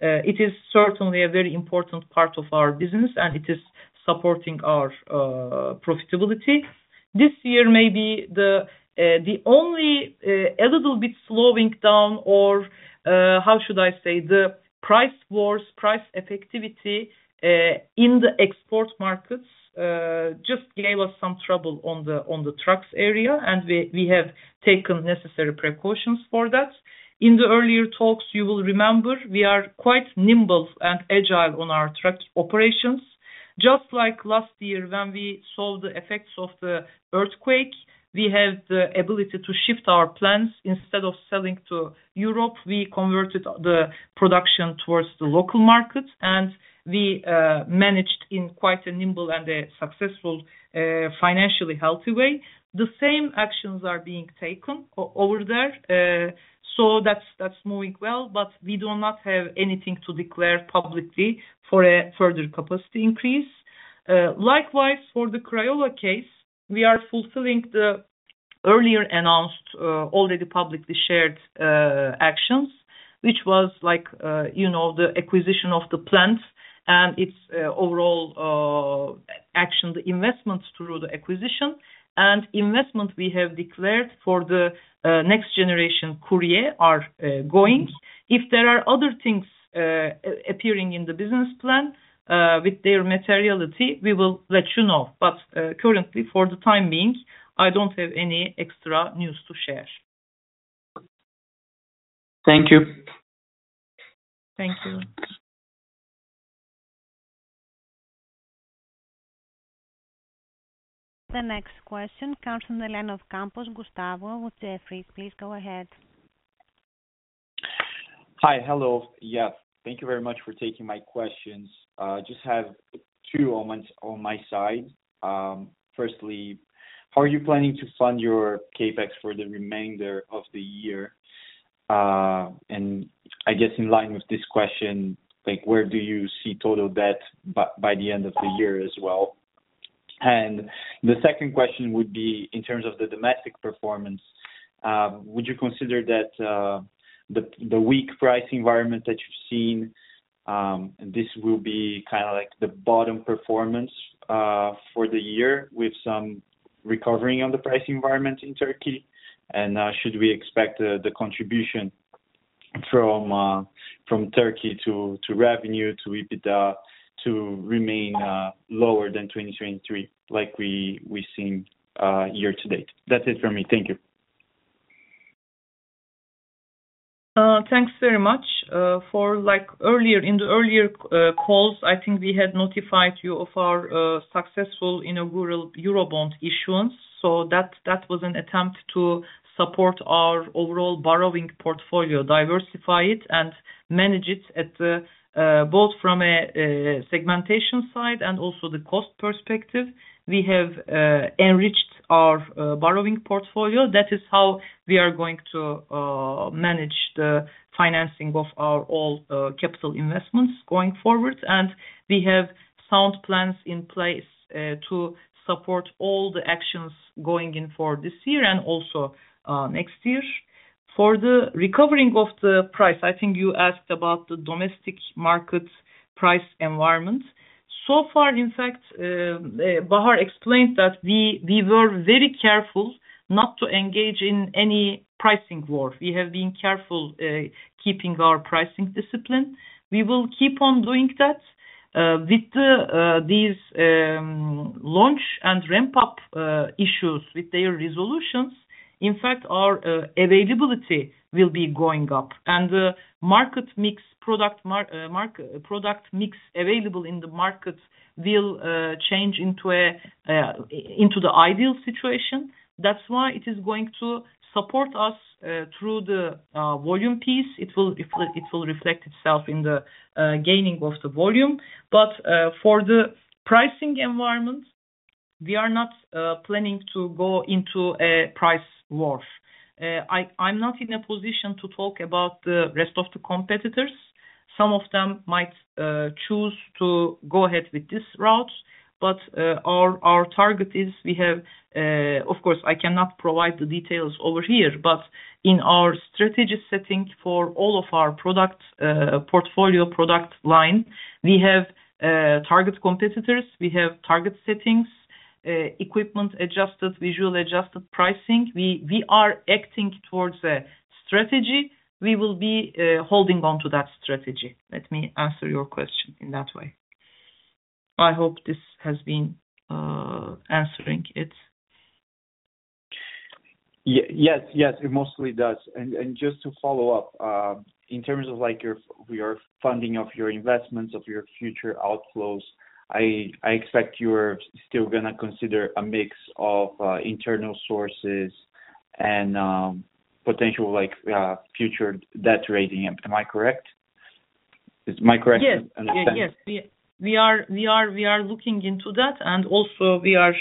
It is certainly a very important part of our business, and it is supporting our profitability. This year maybe the only a little bit slowing down or how should I say? The price wars, price effectivity, in the export markets, just gave us some trouble on the trucks area, and we have taken necessary precautions for that. In the earlier talks, you will remember we are quite nimble and agile on our trucks operations. Just like last year when we saw the effects of the earthquake, we have the ability to shift our plans. Instead of selling to Europe, we converted the production towards the local markets, and we managed in quite a nimble and a successful, financially healthy way. The same actions are being taken over there. That's moving well, but we do not have anything to declare publicly for a further capacity increase. Likewise for the Craiova case, we are fulfilling the earlier announced, already publicly shared, actions, which was like, you know, the acquisition of the plants and its, overall, action, the investments through the acquisition. Investment we have declared for the next generation Courier are going. If there are other things appearing in the business plan with their materiality, we will let you know. Currently, for the time being, I don't have any extra news to share. Thank you. Thank you. The next question comes from the line of Gustavo Campos with Jefferies. Please go ahead. Hi. Hello. Yeah. Thank you very much for taking my questions. Just have two questions on my side. Firstly, how are you planning to fund your CapEx for the remainder of the year? I guess in line with this question, like, where do you see total debt by the end of the year as well? The second question would be in terms of the domestic performance, would you consider that the weak price environment that you've seen, this will be kind of like the bottom performance for the year with some recovery in the price environment in Turkey? Should we expect the contribution from Turkey to revenue to EBITDA to remain lower than 2023 like we've seen year-to-date? That's it from me. Thank you. Thanks very much. In the earlier calls, I think we had notified you of our successful inaugural Eurobond issuance. That was an attempt to support our overall borrowing portfolio, diversify it and manage it from both a segmentation side and also the cost perspective. We have enriched our borrowing portfolio. That is how we are going to manage the financing of our overall capital investments going forward. We have sound plans in place to support all the actions going on for this year and also next year. For the recovery of the price, I think you asked about the domestic market price environment. So far, in fact, Bahar explained that we were very careful not to engage in any pricing war. We have been careful keeping our pricing discipline. We will keep on doing that. With these launch and ramp up issues with their resolutions, in fact, our availability will be going up and the market mix product mix available in the market will change into the ideal situation. That's why it is going to support us through the volume piece. It will reflect itself in the gaining of the volume. For the pricing environment, we are not planning to go into a price war. I'm not in a position to talk about the rest of the competitors. Some of them might choose to go ahead with this route. Our target is we have... Of course, I cannot provide the details over here, but in our strategic setting for all of our product, portfolio product line. We have target competitors, we have target settings, equipment adjusted, visually adjusted pricing. We are acting towards a strategy. We will be holding on to that strategy. Let me answer your question in that way. I hope this has been answering it. Yes. Yes, it mostly does. Just to follow-up, in terms of like your funding of your investments, of your future outflows, I expect you're still gonna consider a mix of internal sources and potential like future debt raising. Am I correct? Is my question understood? Yes. We are looking into that. We are,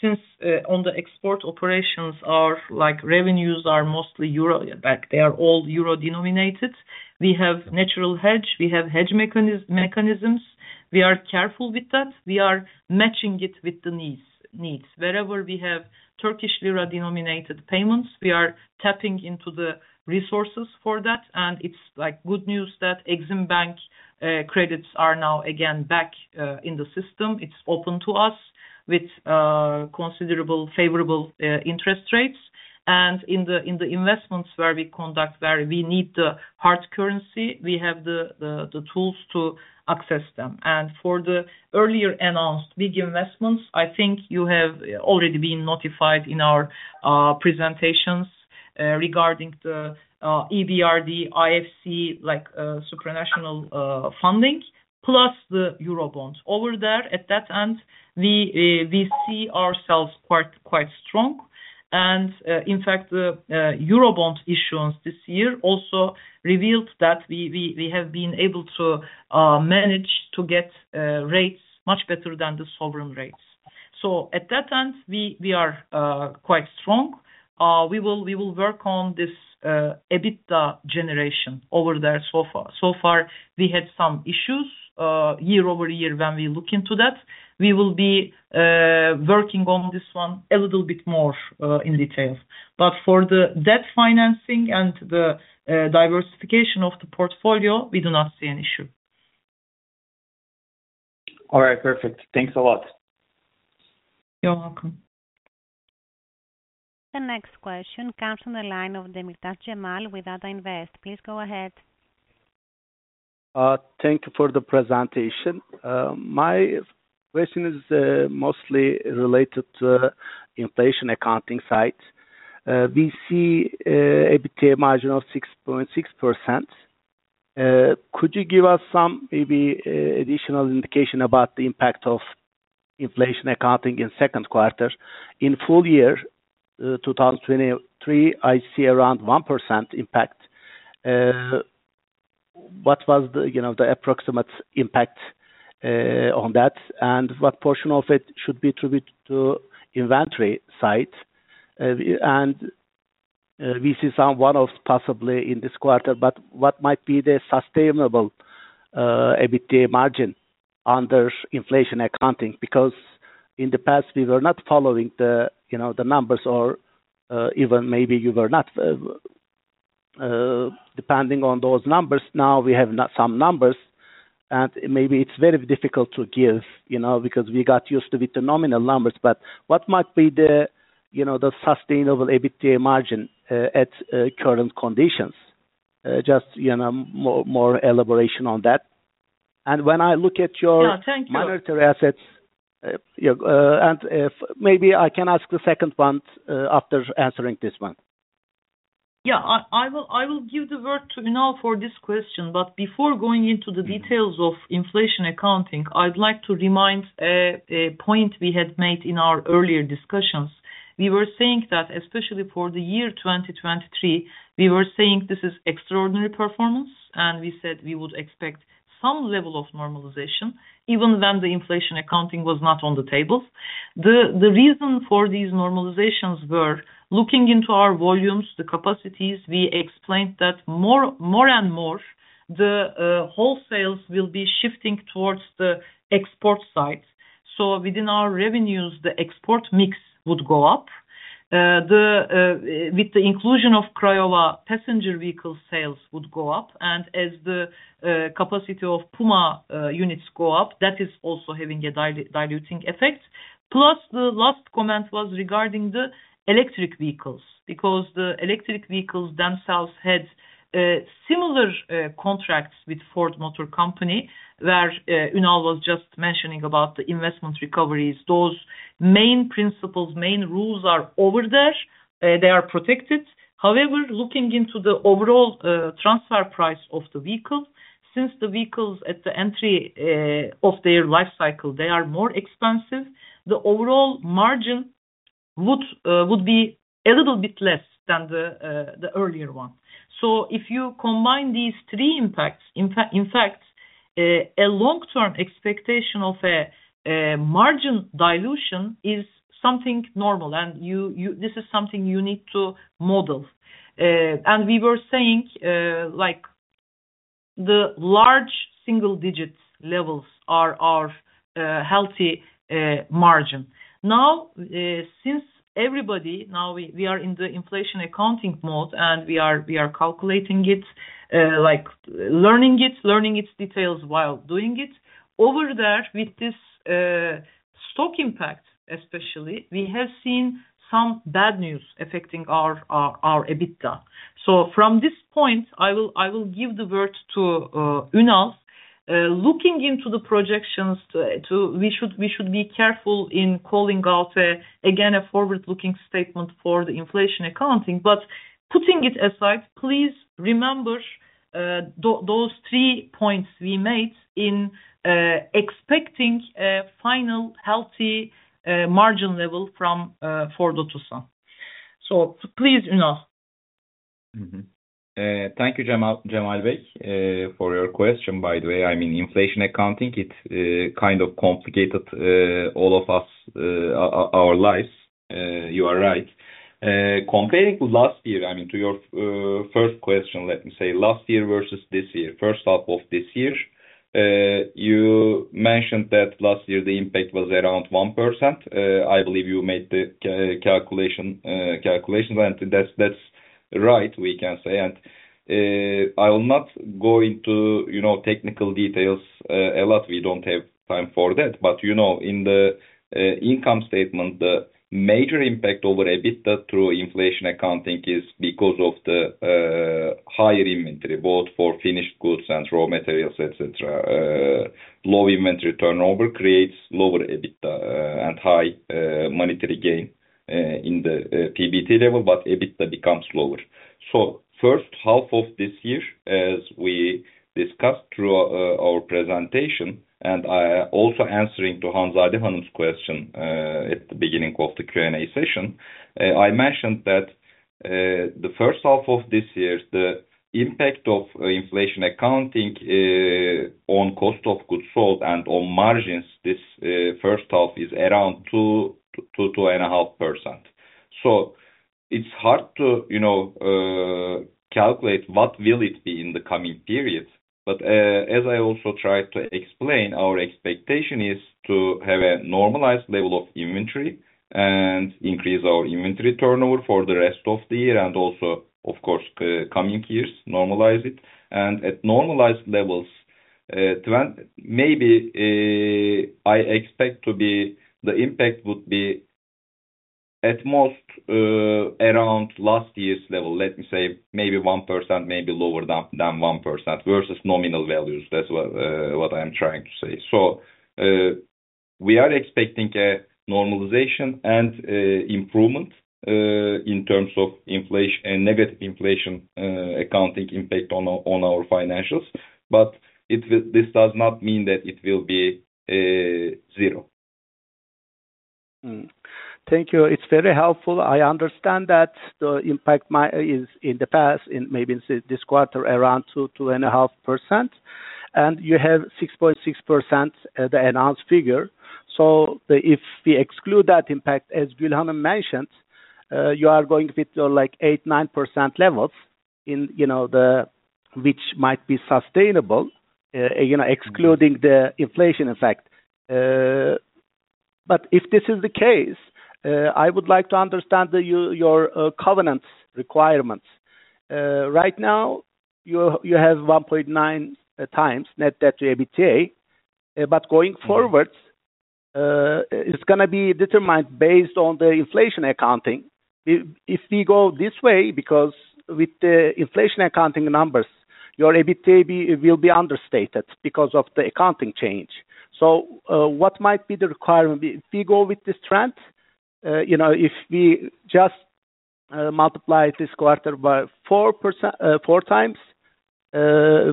since our export operations are like revenues are mostly euro, like they are all euro denominated. We have natural hedge, we have hedge mechanisms. We are careful with that. We are matching it with the needs. Wherever we have Turkish lira denominated payments, we are tapping into the resources for that. It's like good news that Exim Bank credits are now again back in the system. It's open to us with considerable favorable interest rates. In the investments where we conduct, where we need the hard currency, we have the tools to access them. For the earlier announced big investments, I think you have already been notified in our presentations regarding the EBRD, IFC, like, supranational funding plus the Eurobonds. Over there, at that end, we see ourselves quite strong. In fact, the Eurobond issuance this year also revealed that we have been able to manage to get rates much better than the sovereign rates. At that end, we are quite strong. We will work on this EBITDA generation over there so far. So far we had some issues year-over-year when we look into that. We will be working on this one a little bit more in detail. For the debt financing and the diversification of the portfolio, we do not see an issue. All right. Perfect. Thanks a lot. You're welcome. The next question comes from the line of Cemal Demirtaş with Ata Invest. Please go ahead. Thank you for the presentation. My question is mostly related to inflation accounting side. We see EBITDA margin of 6.6%. Could you give us some maybe additional indication about the impact of inflation accounting in second quarter? In full year 2023, I see around 1% impact. What was the, you know, the approximate impact on that? And what portion of it should be attributed to inventory side? And we see some one-offs possibly in this quarter, but what might be the sustainable EBITDA margin under inflation accounting? Because in the past we were not following the, you know, the numbers or even maybe you were not depending on those numbers. Now we have not some numbers and maybe it's very difficult to give, you know, because we got used with the nominal numbers. What might be the, you know, the sustainable EBITDA margin at current conditions? Just, you know, more elaboration on that. When I look at your- Yeah, thank you. non-monetary assets, if maybe I can ask the second one, after answering this one. Yeah. I will give the word to Ünal for this question. Before going into the details of inflation accounting, I'd like to remind a point we had made in our earlier discussions. We were saying that especially for the year 2023, we were saying this is extraordinary performance, and we said we would expect some level of normalization even when the inflation accounting was not on the table. The reason for these normalizations were looking into our volumes, the capacities, we explained that more and more the wholesales will be shifting towards the export side. Within our revenues, the export mix would go up. With the inclusion of Craiova, passenger vehicle sales would go up, and as the capacity of Puma units go up, that is also having a diluting effect. Plus the last comment was regarding the electric vehicles, because the electric vehicles themselves had similar contracts with Ford Motor Company, where Ünal was just mentioning about the investment recoveries. Those main principles, main rules are over there. They are protected. However, looking into the overall transfer price of the vehicle, since the vehicles at the entry of their life cycle, they are more expensive, the overall margin would be a little bit less than the earlier one. So if you combine these three impacts, in fact, a long-term expectation of a margin dilution is something normal. You This is something you need to model. And we were saying, like the large single digits levels are our healthy margin. Now, since everybody, now we are in the inflation accounting mode, and we are calculating it, like learning its details while doing it. Over there with this, stock impact especially, we have seen some bad news affecting our EBITDA. From this point, I will give the word to Ünal. Looking into the projections, we should be careful in calling out, again, a forward-looking statement for the inflation accounting. Putting it aside, please remember, those three points we made in expecting a final healthy margin level from Ford Otosan. Please note. Thank you, Cemal, for your question. By the way, I mean, inflation accounting, it kind of complicated all of our lives. You are right. Comparing to last year, I mean, to your first question, let me say last year versus this year, first half of this year. You mentioned that last year the impact was around 1%. I believe you made the calculation, and that's right, we can say. I will not go into, you know, technical details a lot. We don't have time for that. You know, in the income statement, the major impact over EBITDA through inflation accounting is because of the higher inventory, both for finished goods and raw materials, et cetera. Low inventory turnover creates lower EBITDA, and high monetary gain in the PBT level, but EBITDA becomes lower. First half of this year, as we discussed through our presentation, and I also answering to Hanzade question at the beginning of the Q&A session. I mentioned that the first half of this year, the impact of inflation accounting on cost of goods sold and on margins this first half is around 2.5%. It's hard to, you know, calculate what will it be in the coming periods. But as I also tried to explain, our expectation is to have a normalized level of inventory and increase our inventory turnover for the rest of the year and also, of course, coming years normalize it. At normalized levels, trend maybe, I expect to be the impact would be at most, around last year's level, let me say maybe 1%, maybe lower than 1% versus nominal values. That's what I'm trying to say. We are expecting a normalization and improvement in terms of inflation and negative inflation accounting impact on our financials. This does not mean that it will be zero. Thank you. It's very helpful. I understand that the impact is in the past, in maybe this quarter around 2%-2.5%, and you have 6.6%, the announced figure. If we exclude that impact, as Gul mentioned, you are going with your, like, 8%-9% levels in, you know, the, which might be sustainable, you know, excluding the inflation effect. If this is the case, I would like to understand your covenant requirements. Right now you have 1.9x net debt to EBITDA. Going forward, it's gonna be determined based on the inflation accounting. If we go this way, because with the inflation accounting numbers, your EBITDA will be understated because of the accounting change. What might the requirement be? If we go with this trend, you know, if we just multiply this quarter by 4%, 4x,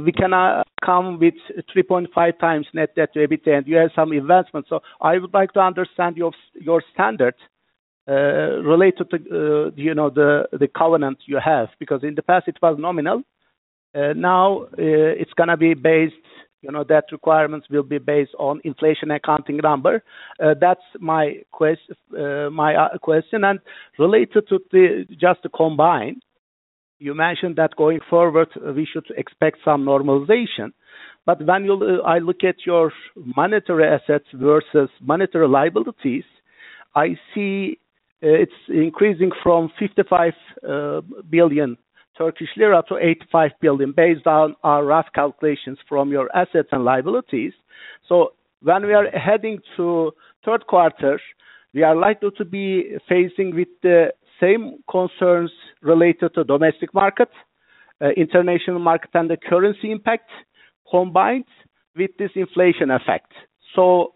we can come with 3.5x net debt to EBITDA, and you have some investments. I would like to understand your standard related to, you know, the covenant you have, because in the past it was nominal. Now it's gonna be based, you know, debt requirements will be based on inflation accounting number. That's my question. Related to the, just to combine, you mentioned that going forward we should expect some normalization. But when I look at your monetary assets versus monetary liabilities, I see it's increasing from 55 billion Turkish lira to 85 billion, based on our rough calculations from your assets and liabilities. When we are heading to third quarter, we are likely to be facing with the same concerns related to domestic market, international market, and the currency impact combined with this inflation effect. For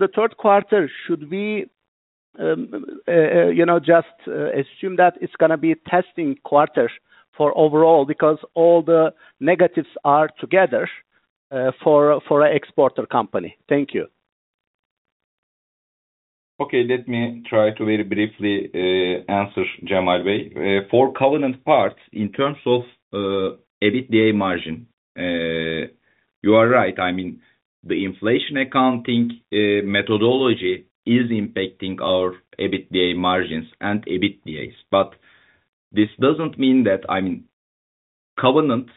the third quarter, should we, you know, just assume that it's gonna be testing quarter for overall because all the negatives are together, for a exporter company? Thank you. Okay. Let me try to very briefly answer, Cemal. For covenant parts in terms of EBITDA margin, you are right. I mean, the inflation accounting methodology is impacting our EBITDA margins and EBITDAs. This doesn't mean that, I mean, covenant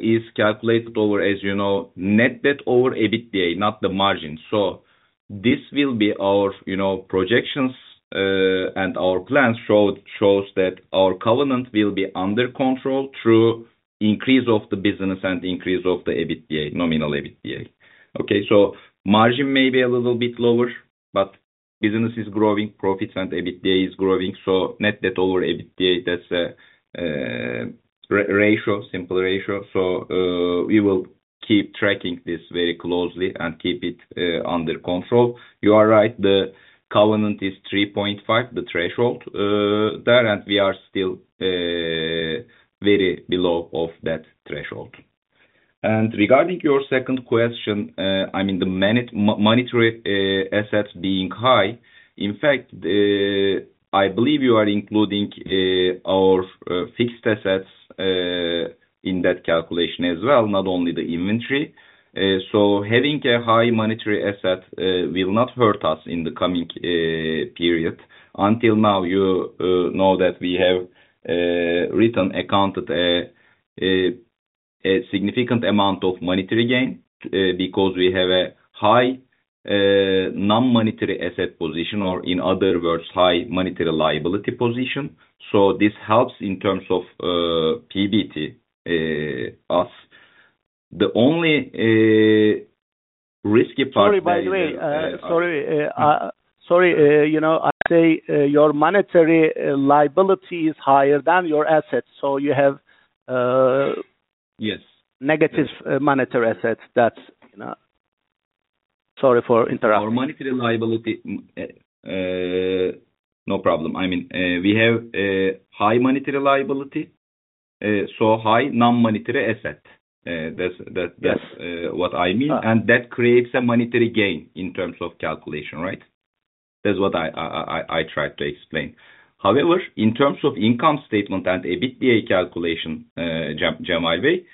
is calculated over, as you know, net debt over EBITDA, not the margin. This will be our, you know, projections and our plans shows that our covenant will be under control through increase of the business and increase of the EBITDA, nominal EBITDA. Okay. Margin may be a little bit lower, but business is growing, profits and EBITDA is growing. Net debt over EBITDA, that's a ratio, simple ratio. We will keep tracking this very closely and keep it under control. You are right, the covenant is 3.5, the threshold there, and we are still very below of that threshold. Regarding your second question, I mean, the monetary assets being high. In fact, I believe you are including our fixed assets in that calculation as well, not only the inventory. So having a high monetary asset will not hurt us in the coming period. Until now, you know that we have accounted a significant amount of monetary gain, because we have a high non-monetary asset position, or in other words, high monetary liability position. So this helps in terms of PBT for us. The only risky part Sorry, by the way. Sorry. You know, I say, your monetary liability is higher than your assets, so you have, Yes. Negative monetary assets. That's, you know. Sorry for interrupting. Our monetary liability. No problem. I mean, we have a high monetary liability, so high non-monetary asset. That's. Yes. What I mean. That creates a monetary gain in terms of calculation, right? That's what I tried to explain. However, in terms of income statement and EBITDA calculation, Cemal,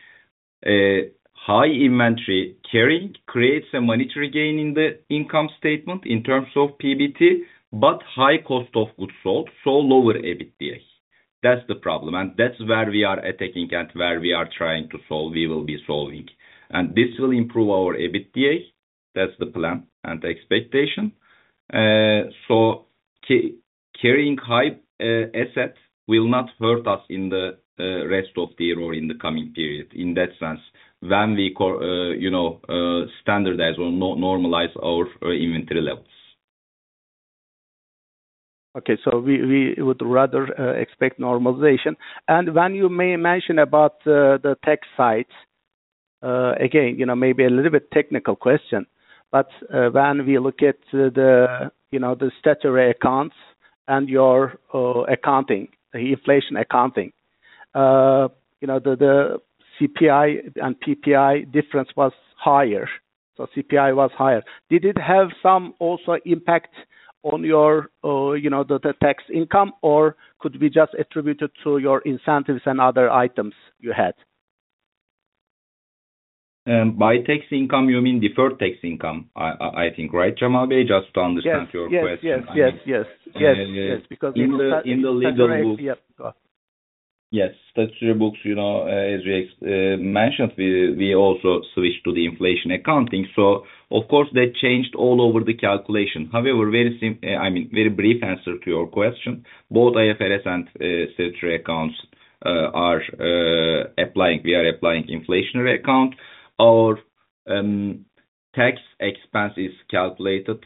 high inventory carrying creates a monetary gain in the income statement in terms of PBT, but high cost of goods sold, so lower EBITDA. That's the problem, and that's where we are attacking and where we are trying to solve, we will be solving. This will improve our EBITDA. That's the plan and expectation. So carrying high assets will not hurt us in the rest of the year or in the coming period in that sense when we you know standardize or normalize our inventory levels. Okay. We would rather expect normalization. When you may mention about the tech side, again, you know, maybe a little bit technical question, but when we look at the you know, the statutory accounts and your accounting, the inflation accounting, you know, the CPI and PPI difference was higher. CPI was higher. Did it have some also impact on your you know, the tax income, or could be just attributed to your incentives and other items you had? By tax income, you mean deferred tax income, I think, right, Cemal, just to understand your question. Yes. In the legal book. Yes. Go on. Yes. Statutory books, you know, as we mentioned, we also switched to the inflationary accounting. Of course, that changed overall the calculation. However, I mean, very brief answer to your question. Both IFRS and statutory accounts, we are applying inflationary accounting. Our tax expense is calculated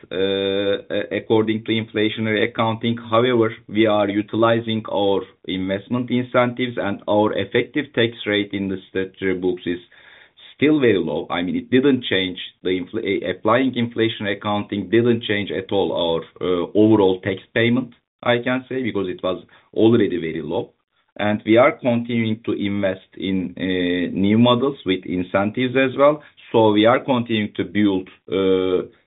according to inflationary accounting. However, we are utilizing our investment incentives and our effective tax rate in the statutory books is still very low. I mean, applying inflationary accounting didn't change at all our overall tax payment, I can say, because it was already very low. We are continuing to invest in new models with incentives as well. We are continuing to build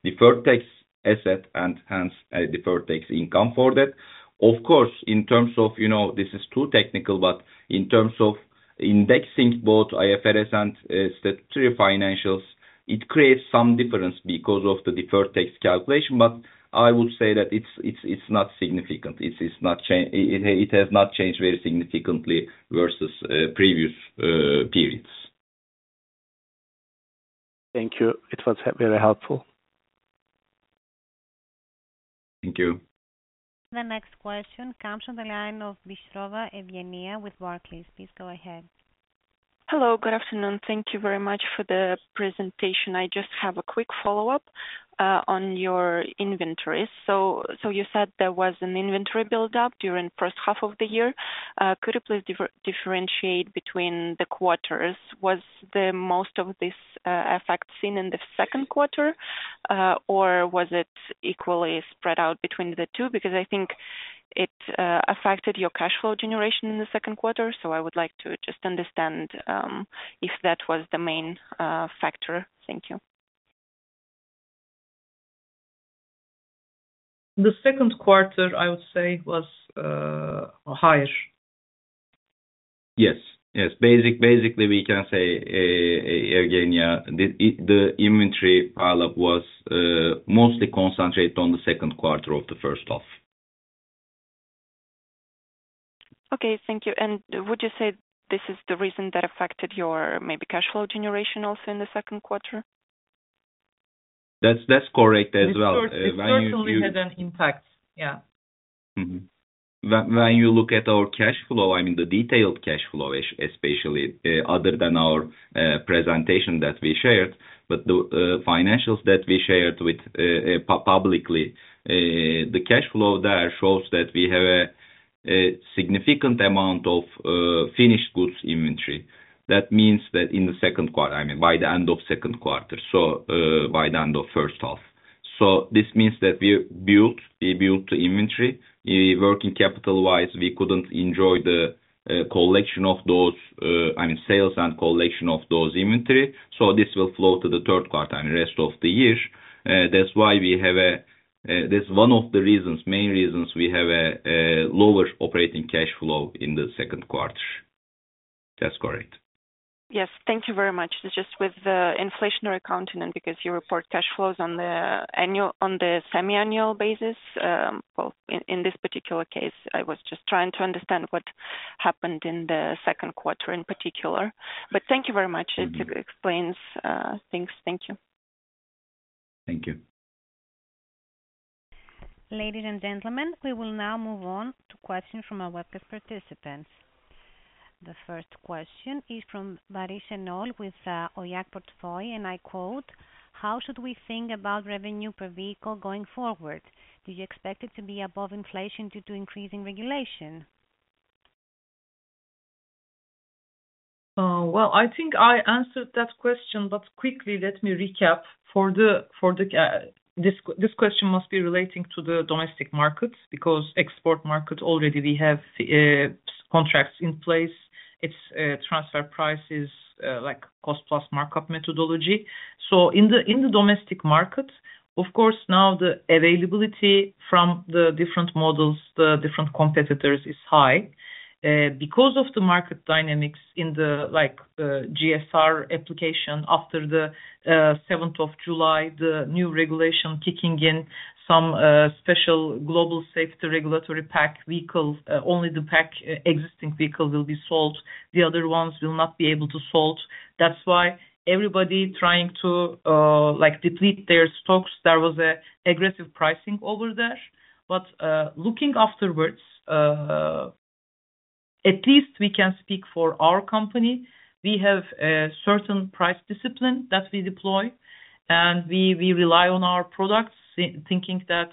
deferred tax asset and hence deferred tax income for that. Of course, in terms of, you know, this is too technical, but in terms of indexing both IFRS and statutory financials, it creates some difference because of the deferred tax calculation. I would say that it's not significant. It has not changed very significantly versus previous periods. Thank you. It was very helpful. Thank you. The next question comes from the line of Bystrova Evgeniya with Barclays. Please go ahead. Hello, good afternoon. Thank you very much for the presentation. I just have a quick follow-up on your inventory. So you said there was an inventory build up during first half of the year. Could you please differentiate between the quarters? Was the most of this effect seen in the second quarter, or was it equally spread out between the two? Because I think it affected your cash flow generation in the second quarter. So I would like to just understand if that was the main factor. Thank you. The second quarter, I would say, was higher. Yes. Basically, we can say, Evgenia, the inventory pile up was mostly concentrated on the second quarter of the first half. Okay. Thank you. Would you say this is the reason that affected your maybe cash flow generation also in the second quarter? That's correct as well. It certainly had an impact. Yeah. When you look at our cash flow, I mean, the detailed cash flow especially, other than our presentation that we shared, but the financials that we shared publicly, the cash flow there shows that we have a significant amount of finished goods inventory. That means that in the second quarter, I mean by the end of second quarter, so by the end of first half. This means that we built the inventory. Working capital-wise, we couldn't enjoy the collection of those, I mean, sales and collection of those inventory. This will flow to the third quarter and rest of the year. That's why we have a lower operating cash flow in the second quarter. That's one of the reasons, main reasons. That's correct. Yes. Thank you very much. Just with the inflationary accounting and because you report cash flows on the semi-annual basis, well, in this particular case, I was just trying to understand what happened in the second quarter in particular. Thank you very much. Mm-hmm. It explains things. Thank you. Thank you. Ladies and gentlemen, we will now move on to questions from our webcast participants. The first question is from Barış Şenol with Oyak Portföy, and I quote, "How should we think about revenue per vehicle going forward? Do you expect it to be above inflation due to increasing regulation? Well, I think I answered that question, but quickly let me recap. For this question must be relating to the domestic market because export market already we have contracts in place. It's transfer prices, like cost plus markup methodology. In the domestic market, of course, now the availability from the different models, the different competitors is high. Because of the market dynamics in the like GSR application after the seventh of July, the new regulation kicking in some special global safety regulatory package vehicles, only the pre-existing vehicle will be sold, the other ones will not be able to be sold. That's why everybody trying to like deplete their stocks. There was an aggressive pricing over there. Looking afterwards, at least we can speak for our company. We have a certain price discipline that we deploy and we rely on our products I think that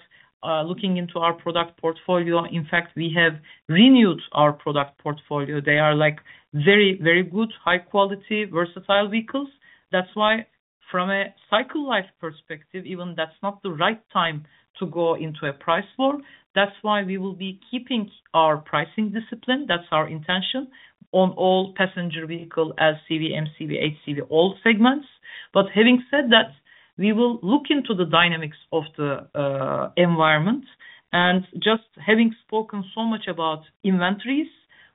looking into our product portfolio, in fact, we have renewed our product portfolio. They are like very, very good, high quality, versatile vehicles. That's why from a cycle life perspective, even that's not the right time to go into a price war. That's why we will be keeping our pricing discipline, that's our intention, on all passenger vehicle, LCV, MCV, HCV, all segments. But having said that, we will look into the dynamics of the environment. Just having spoken so much about inventories,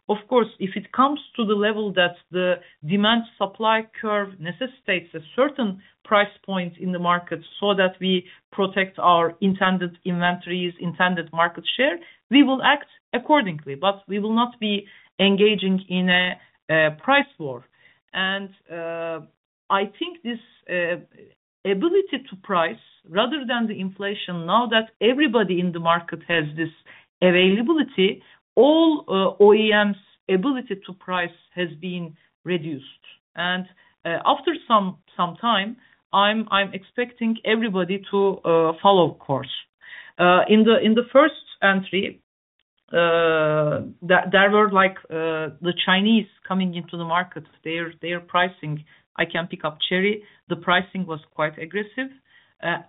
of course, if it comes to the level that the demand supply curve necessitates a certain price point in the market so that we protect our intended inventories, intended market share, we will act accordingly, but we will not be engaging in a price war. I think this ability to price rather than the inflation, now that everybody in the market has this availability, all OEMs' ability to price has been reduced. After some time, I'm expecting everybody to follow course. In the first entry, there were like the Chinese coming into the market, their pricing. I can pick up Chery. The pricing was quite aggressive.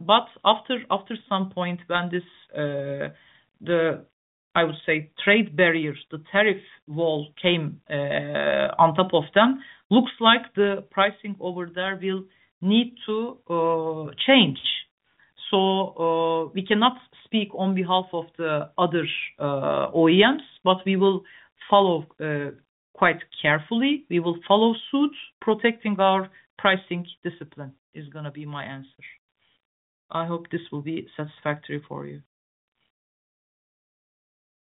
But after some point when the, I would say, trade barriers, the tariff wall came on top of them, looks like the pricing over there will need to change. We cannot speak on behalf of the other OEMs, but we will follow quite carefully. We will follow suit, protecting our pricing discipline is gonna be my answer. I hope this will be satisfactory for you.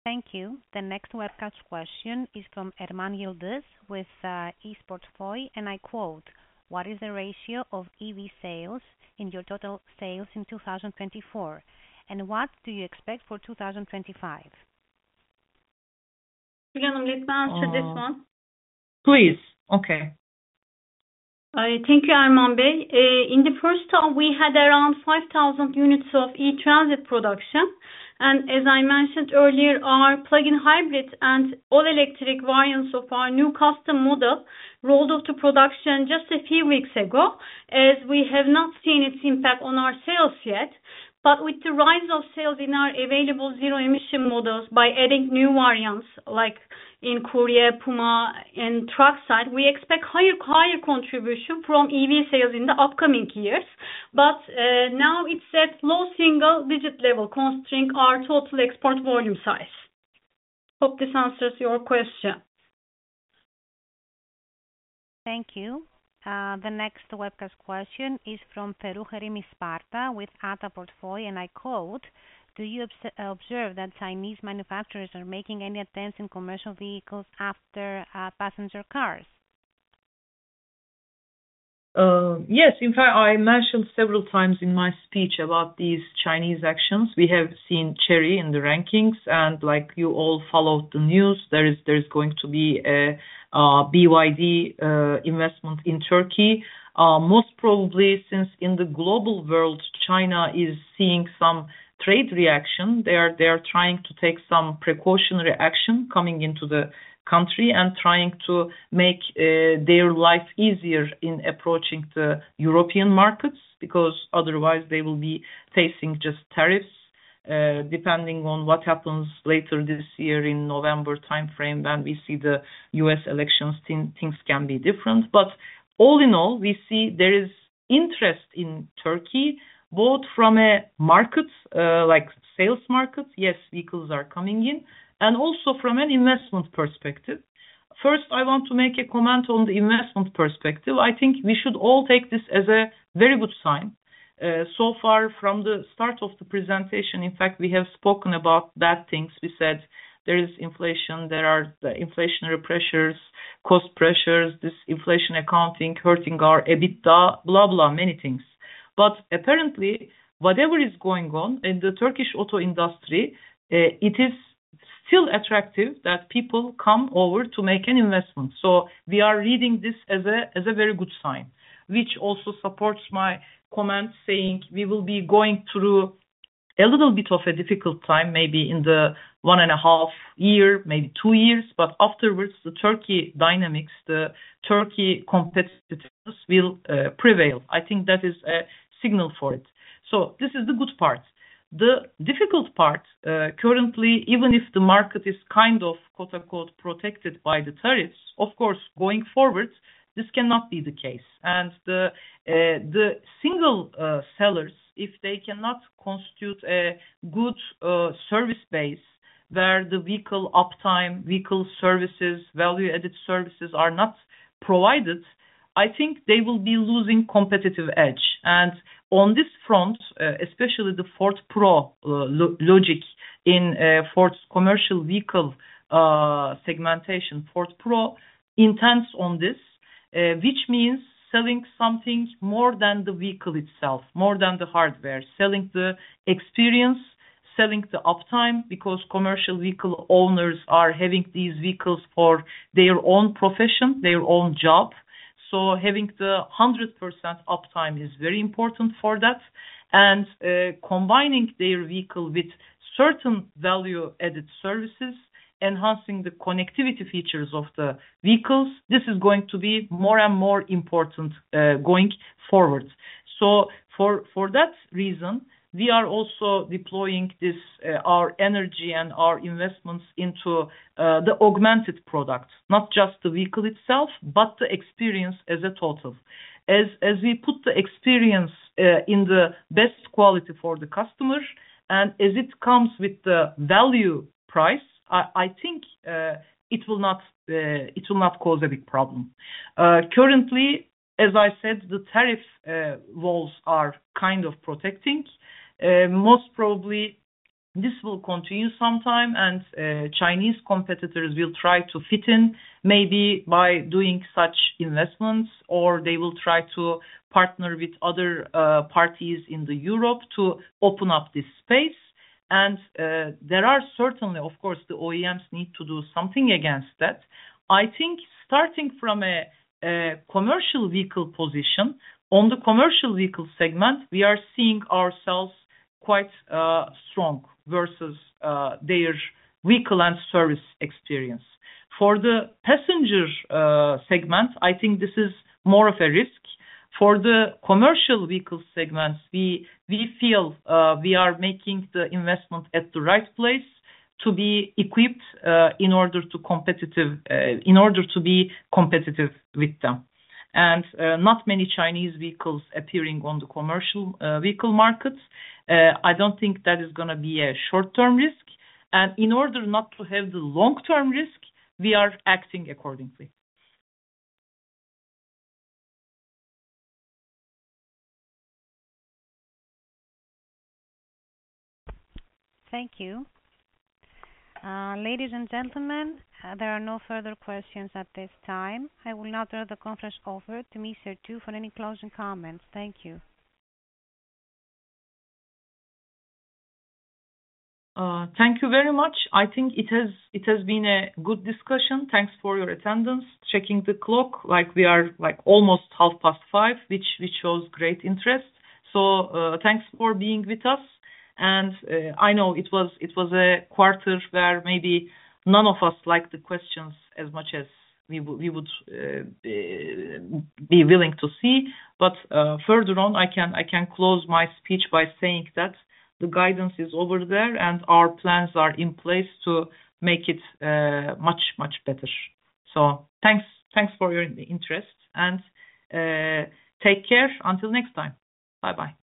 Thank you. The next webcast question is from Erman Yıldız with İş Portföy, and I quote, "What is the ratio of EV sales in your total sales in 2024, and what do you expect for 2025? Gul ma'am, may I answer this one? Please. Okay. Thank you, Erman. In the first half, we had around 5,000 units of E-Transit production. As I mentioned earlier, our plug-in hybrid and all-electric variants of our new Transit Custom model rolled out to production just a few weeks ago, as we have not seen its impact on our sales yet. With the rise of sales in our available zero-emission models by adding new variants like in Courier, Puma and truck side, we expect higher contribution from EV sales in the upcoming years. Now it's at low single-digit level constraining our total export volume size. Hope this answers your question. Thank you. The next webcast question is from Feruze Rimisparta with Ata Portföy, and I quote, "Do you observe that Chinese manufacturers are making any attempts in commercial vehicles after passenger cars? Yes. In fact, I mentioned several times in my speech about these Chinese actions. We have seen Chery in the rankings, and like you all follow the news, there is going to be a BYD investment in Turkey. Most probably since in the global world, China is seeing some trade reaction. They are trying to take some precautionary action coming into the country and trying to make their life easier in approaching the European markets, because otherwise they will be facing just tariffs. Depending on what happens later this year in November timeframe when we see the U.S. elections, things can be different. All in all, we see there is interest in Turkey, both from a market like sales market, yes, vehicles are coming in, and also from an investment perspective. First, I want to make a comment on the investment perspective. I think we should all take this as a very good sign. So far from the start of the presentation, in fact, we have spoken about bad things. We said there is inflation, there are the inflationary pressures, cost pressures, this inflation accounting hurting our EBITDA, blah, many things. Apparently, whatever is going on in the Turkish auto industry, it is still attractive that people come over to make an investment. We are reading this as a very good sign, which also supports my comment saying we will be going through a little bit of a difficult time, maybe in the 1.5 year, maybe two years. Afterwards, the Turkey dynamics, the Turkey competitiveness will prevail. I think that is a signal for it. This is the good part. The difficult part, currently, even if the market is kind of "protected" by the tariffs, of course, going forward, this cannot be the case. The single sellers, if they cannot constitute a good service base where the vehicle uptime, vehicle services, value-added services are not provided, I think they will be losing competitive edge. On this front, especially the Ford Pro logic in Ford's commercial vehicle segmentation, Ford Pro intends on this, which means selling something more than the vehicle itself, more than the hardware. Selling the experience, selling the uptime, because commercial vehicle owners are having these vehicles for their own profession, their own job. Having the 100% uptime is very important for that. Combining their vehicle with certain value-added services, enhancing the connectivity features of the vehicles, this is going to be more and more important, going forward. For that reason, we are also deploying our energy and our investments into the augmented product, not just the vehicle itself, but the experience as a total. As we put the experience in the best quality for the customer and as it comes with the value price, I think it will not cause a big problem. Currently, as I said, the tariff walls are kind of protecting. Most probably this will continue sometime, and Chinese competitors will try to fit in maybe by doing such investments, or they will try to partner with other parties in Europe to open up this space. There are certainly, of course, the OEMs need to do something against that. I think starting from a commercial vehicle position, on the commercial vehicle segment, we are seeing ourselves quite strong versus their vehicle and service experience. For the passenger segment, I think this is more of a risk. For the commercial vehicle segments, we feel we are making the investment at the right place to be equipped in order to be competitive with them. Not many Chinese vehicles appearing on the commercial vehicle markets. I don't think that is gonna be a short-term risk. In order not to have the long-term risk, we are acting accordingly. Thank you. Ladies and gentlemen, there are no further questions at this time. I will now turn the conference over to Gül Ertuğ for any closing comments. Thank you. Thank you very much. I think it has been a good discussion. Thanks for your attendance. Checking the clock, like we are like almost half past five, which shows great interest. Thanks for being with us. I know it was a quarter where maybe none of us like the questions as much as we would be willing to see. Further on, I can close my speech by saying that the guidance is over there, and our plans are in place to make it much better. Thanks for your interest and take care until next time. Bye-bye.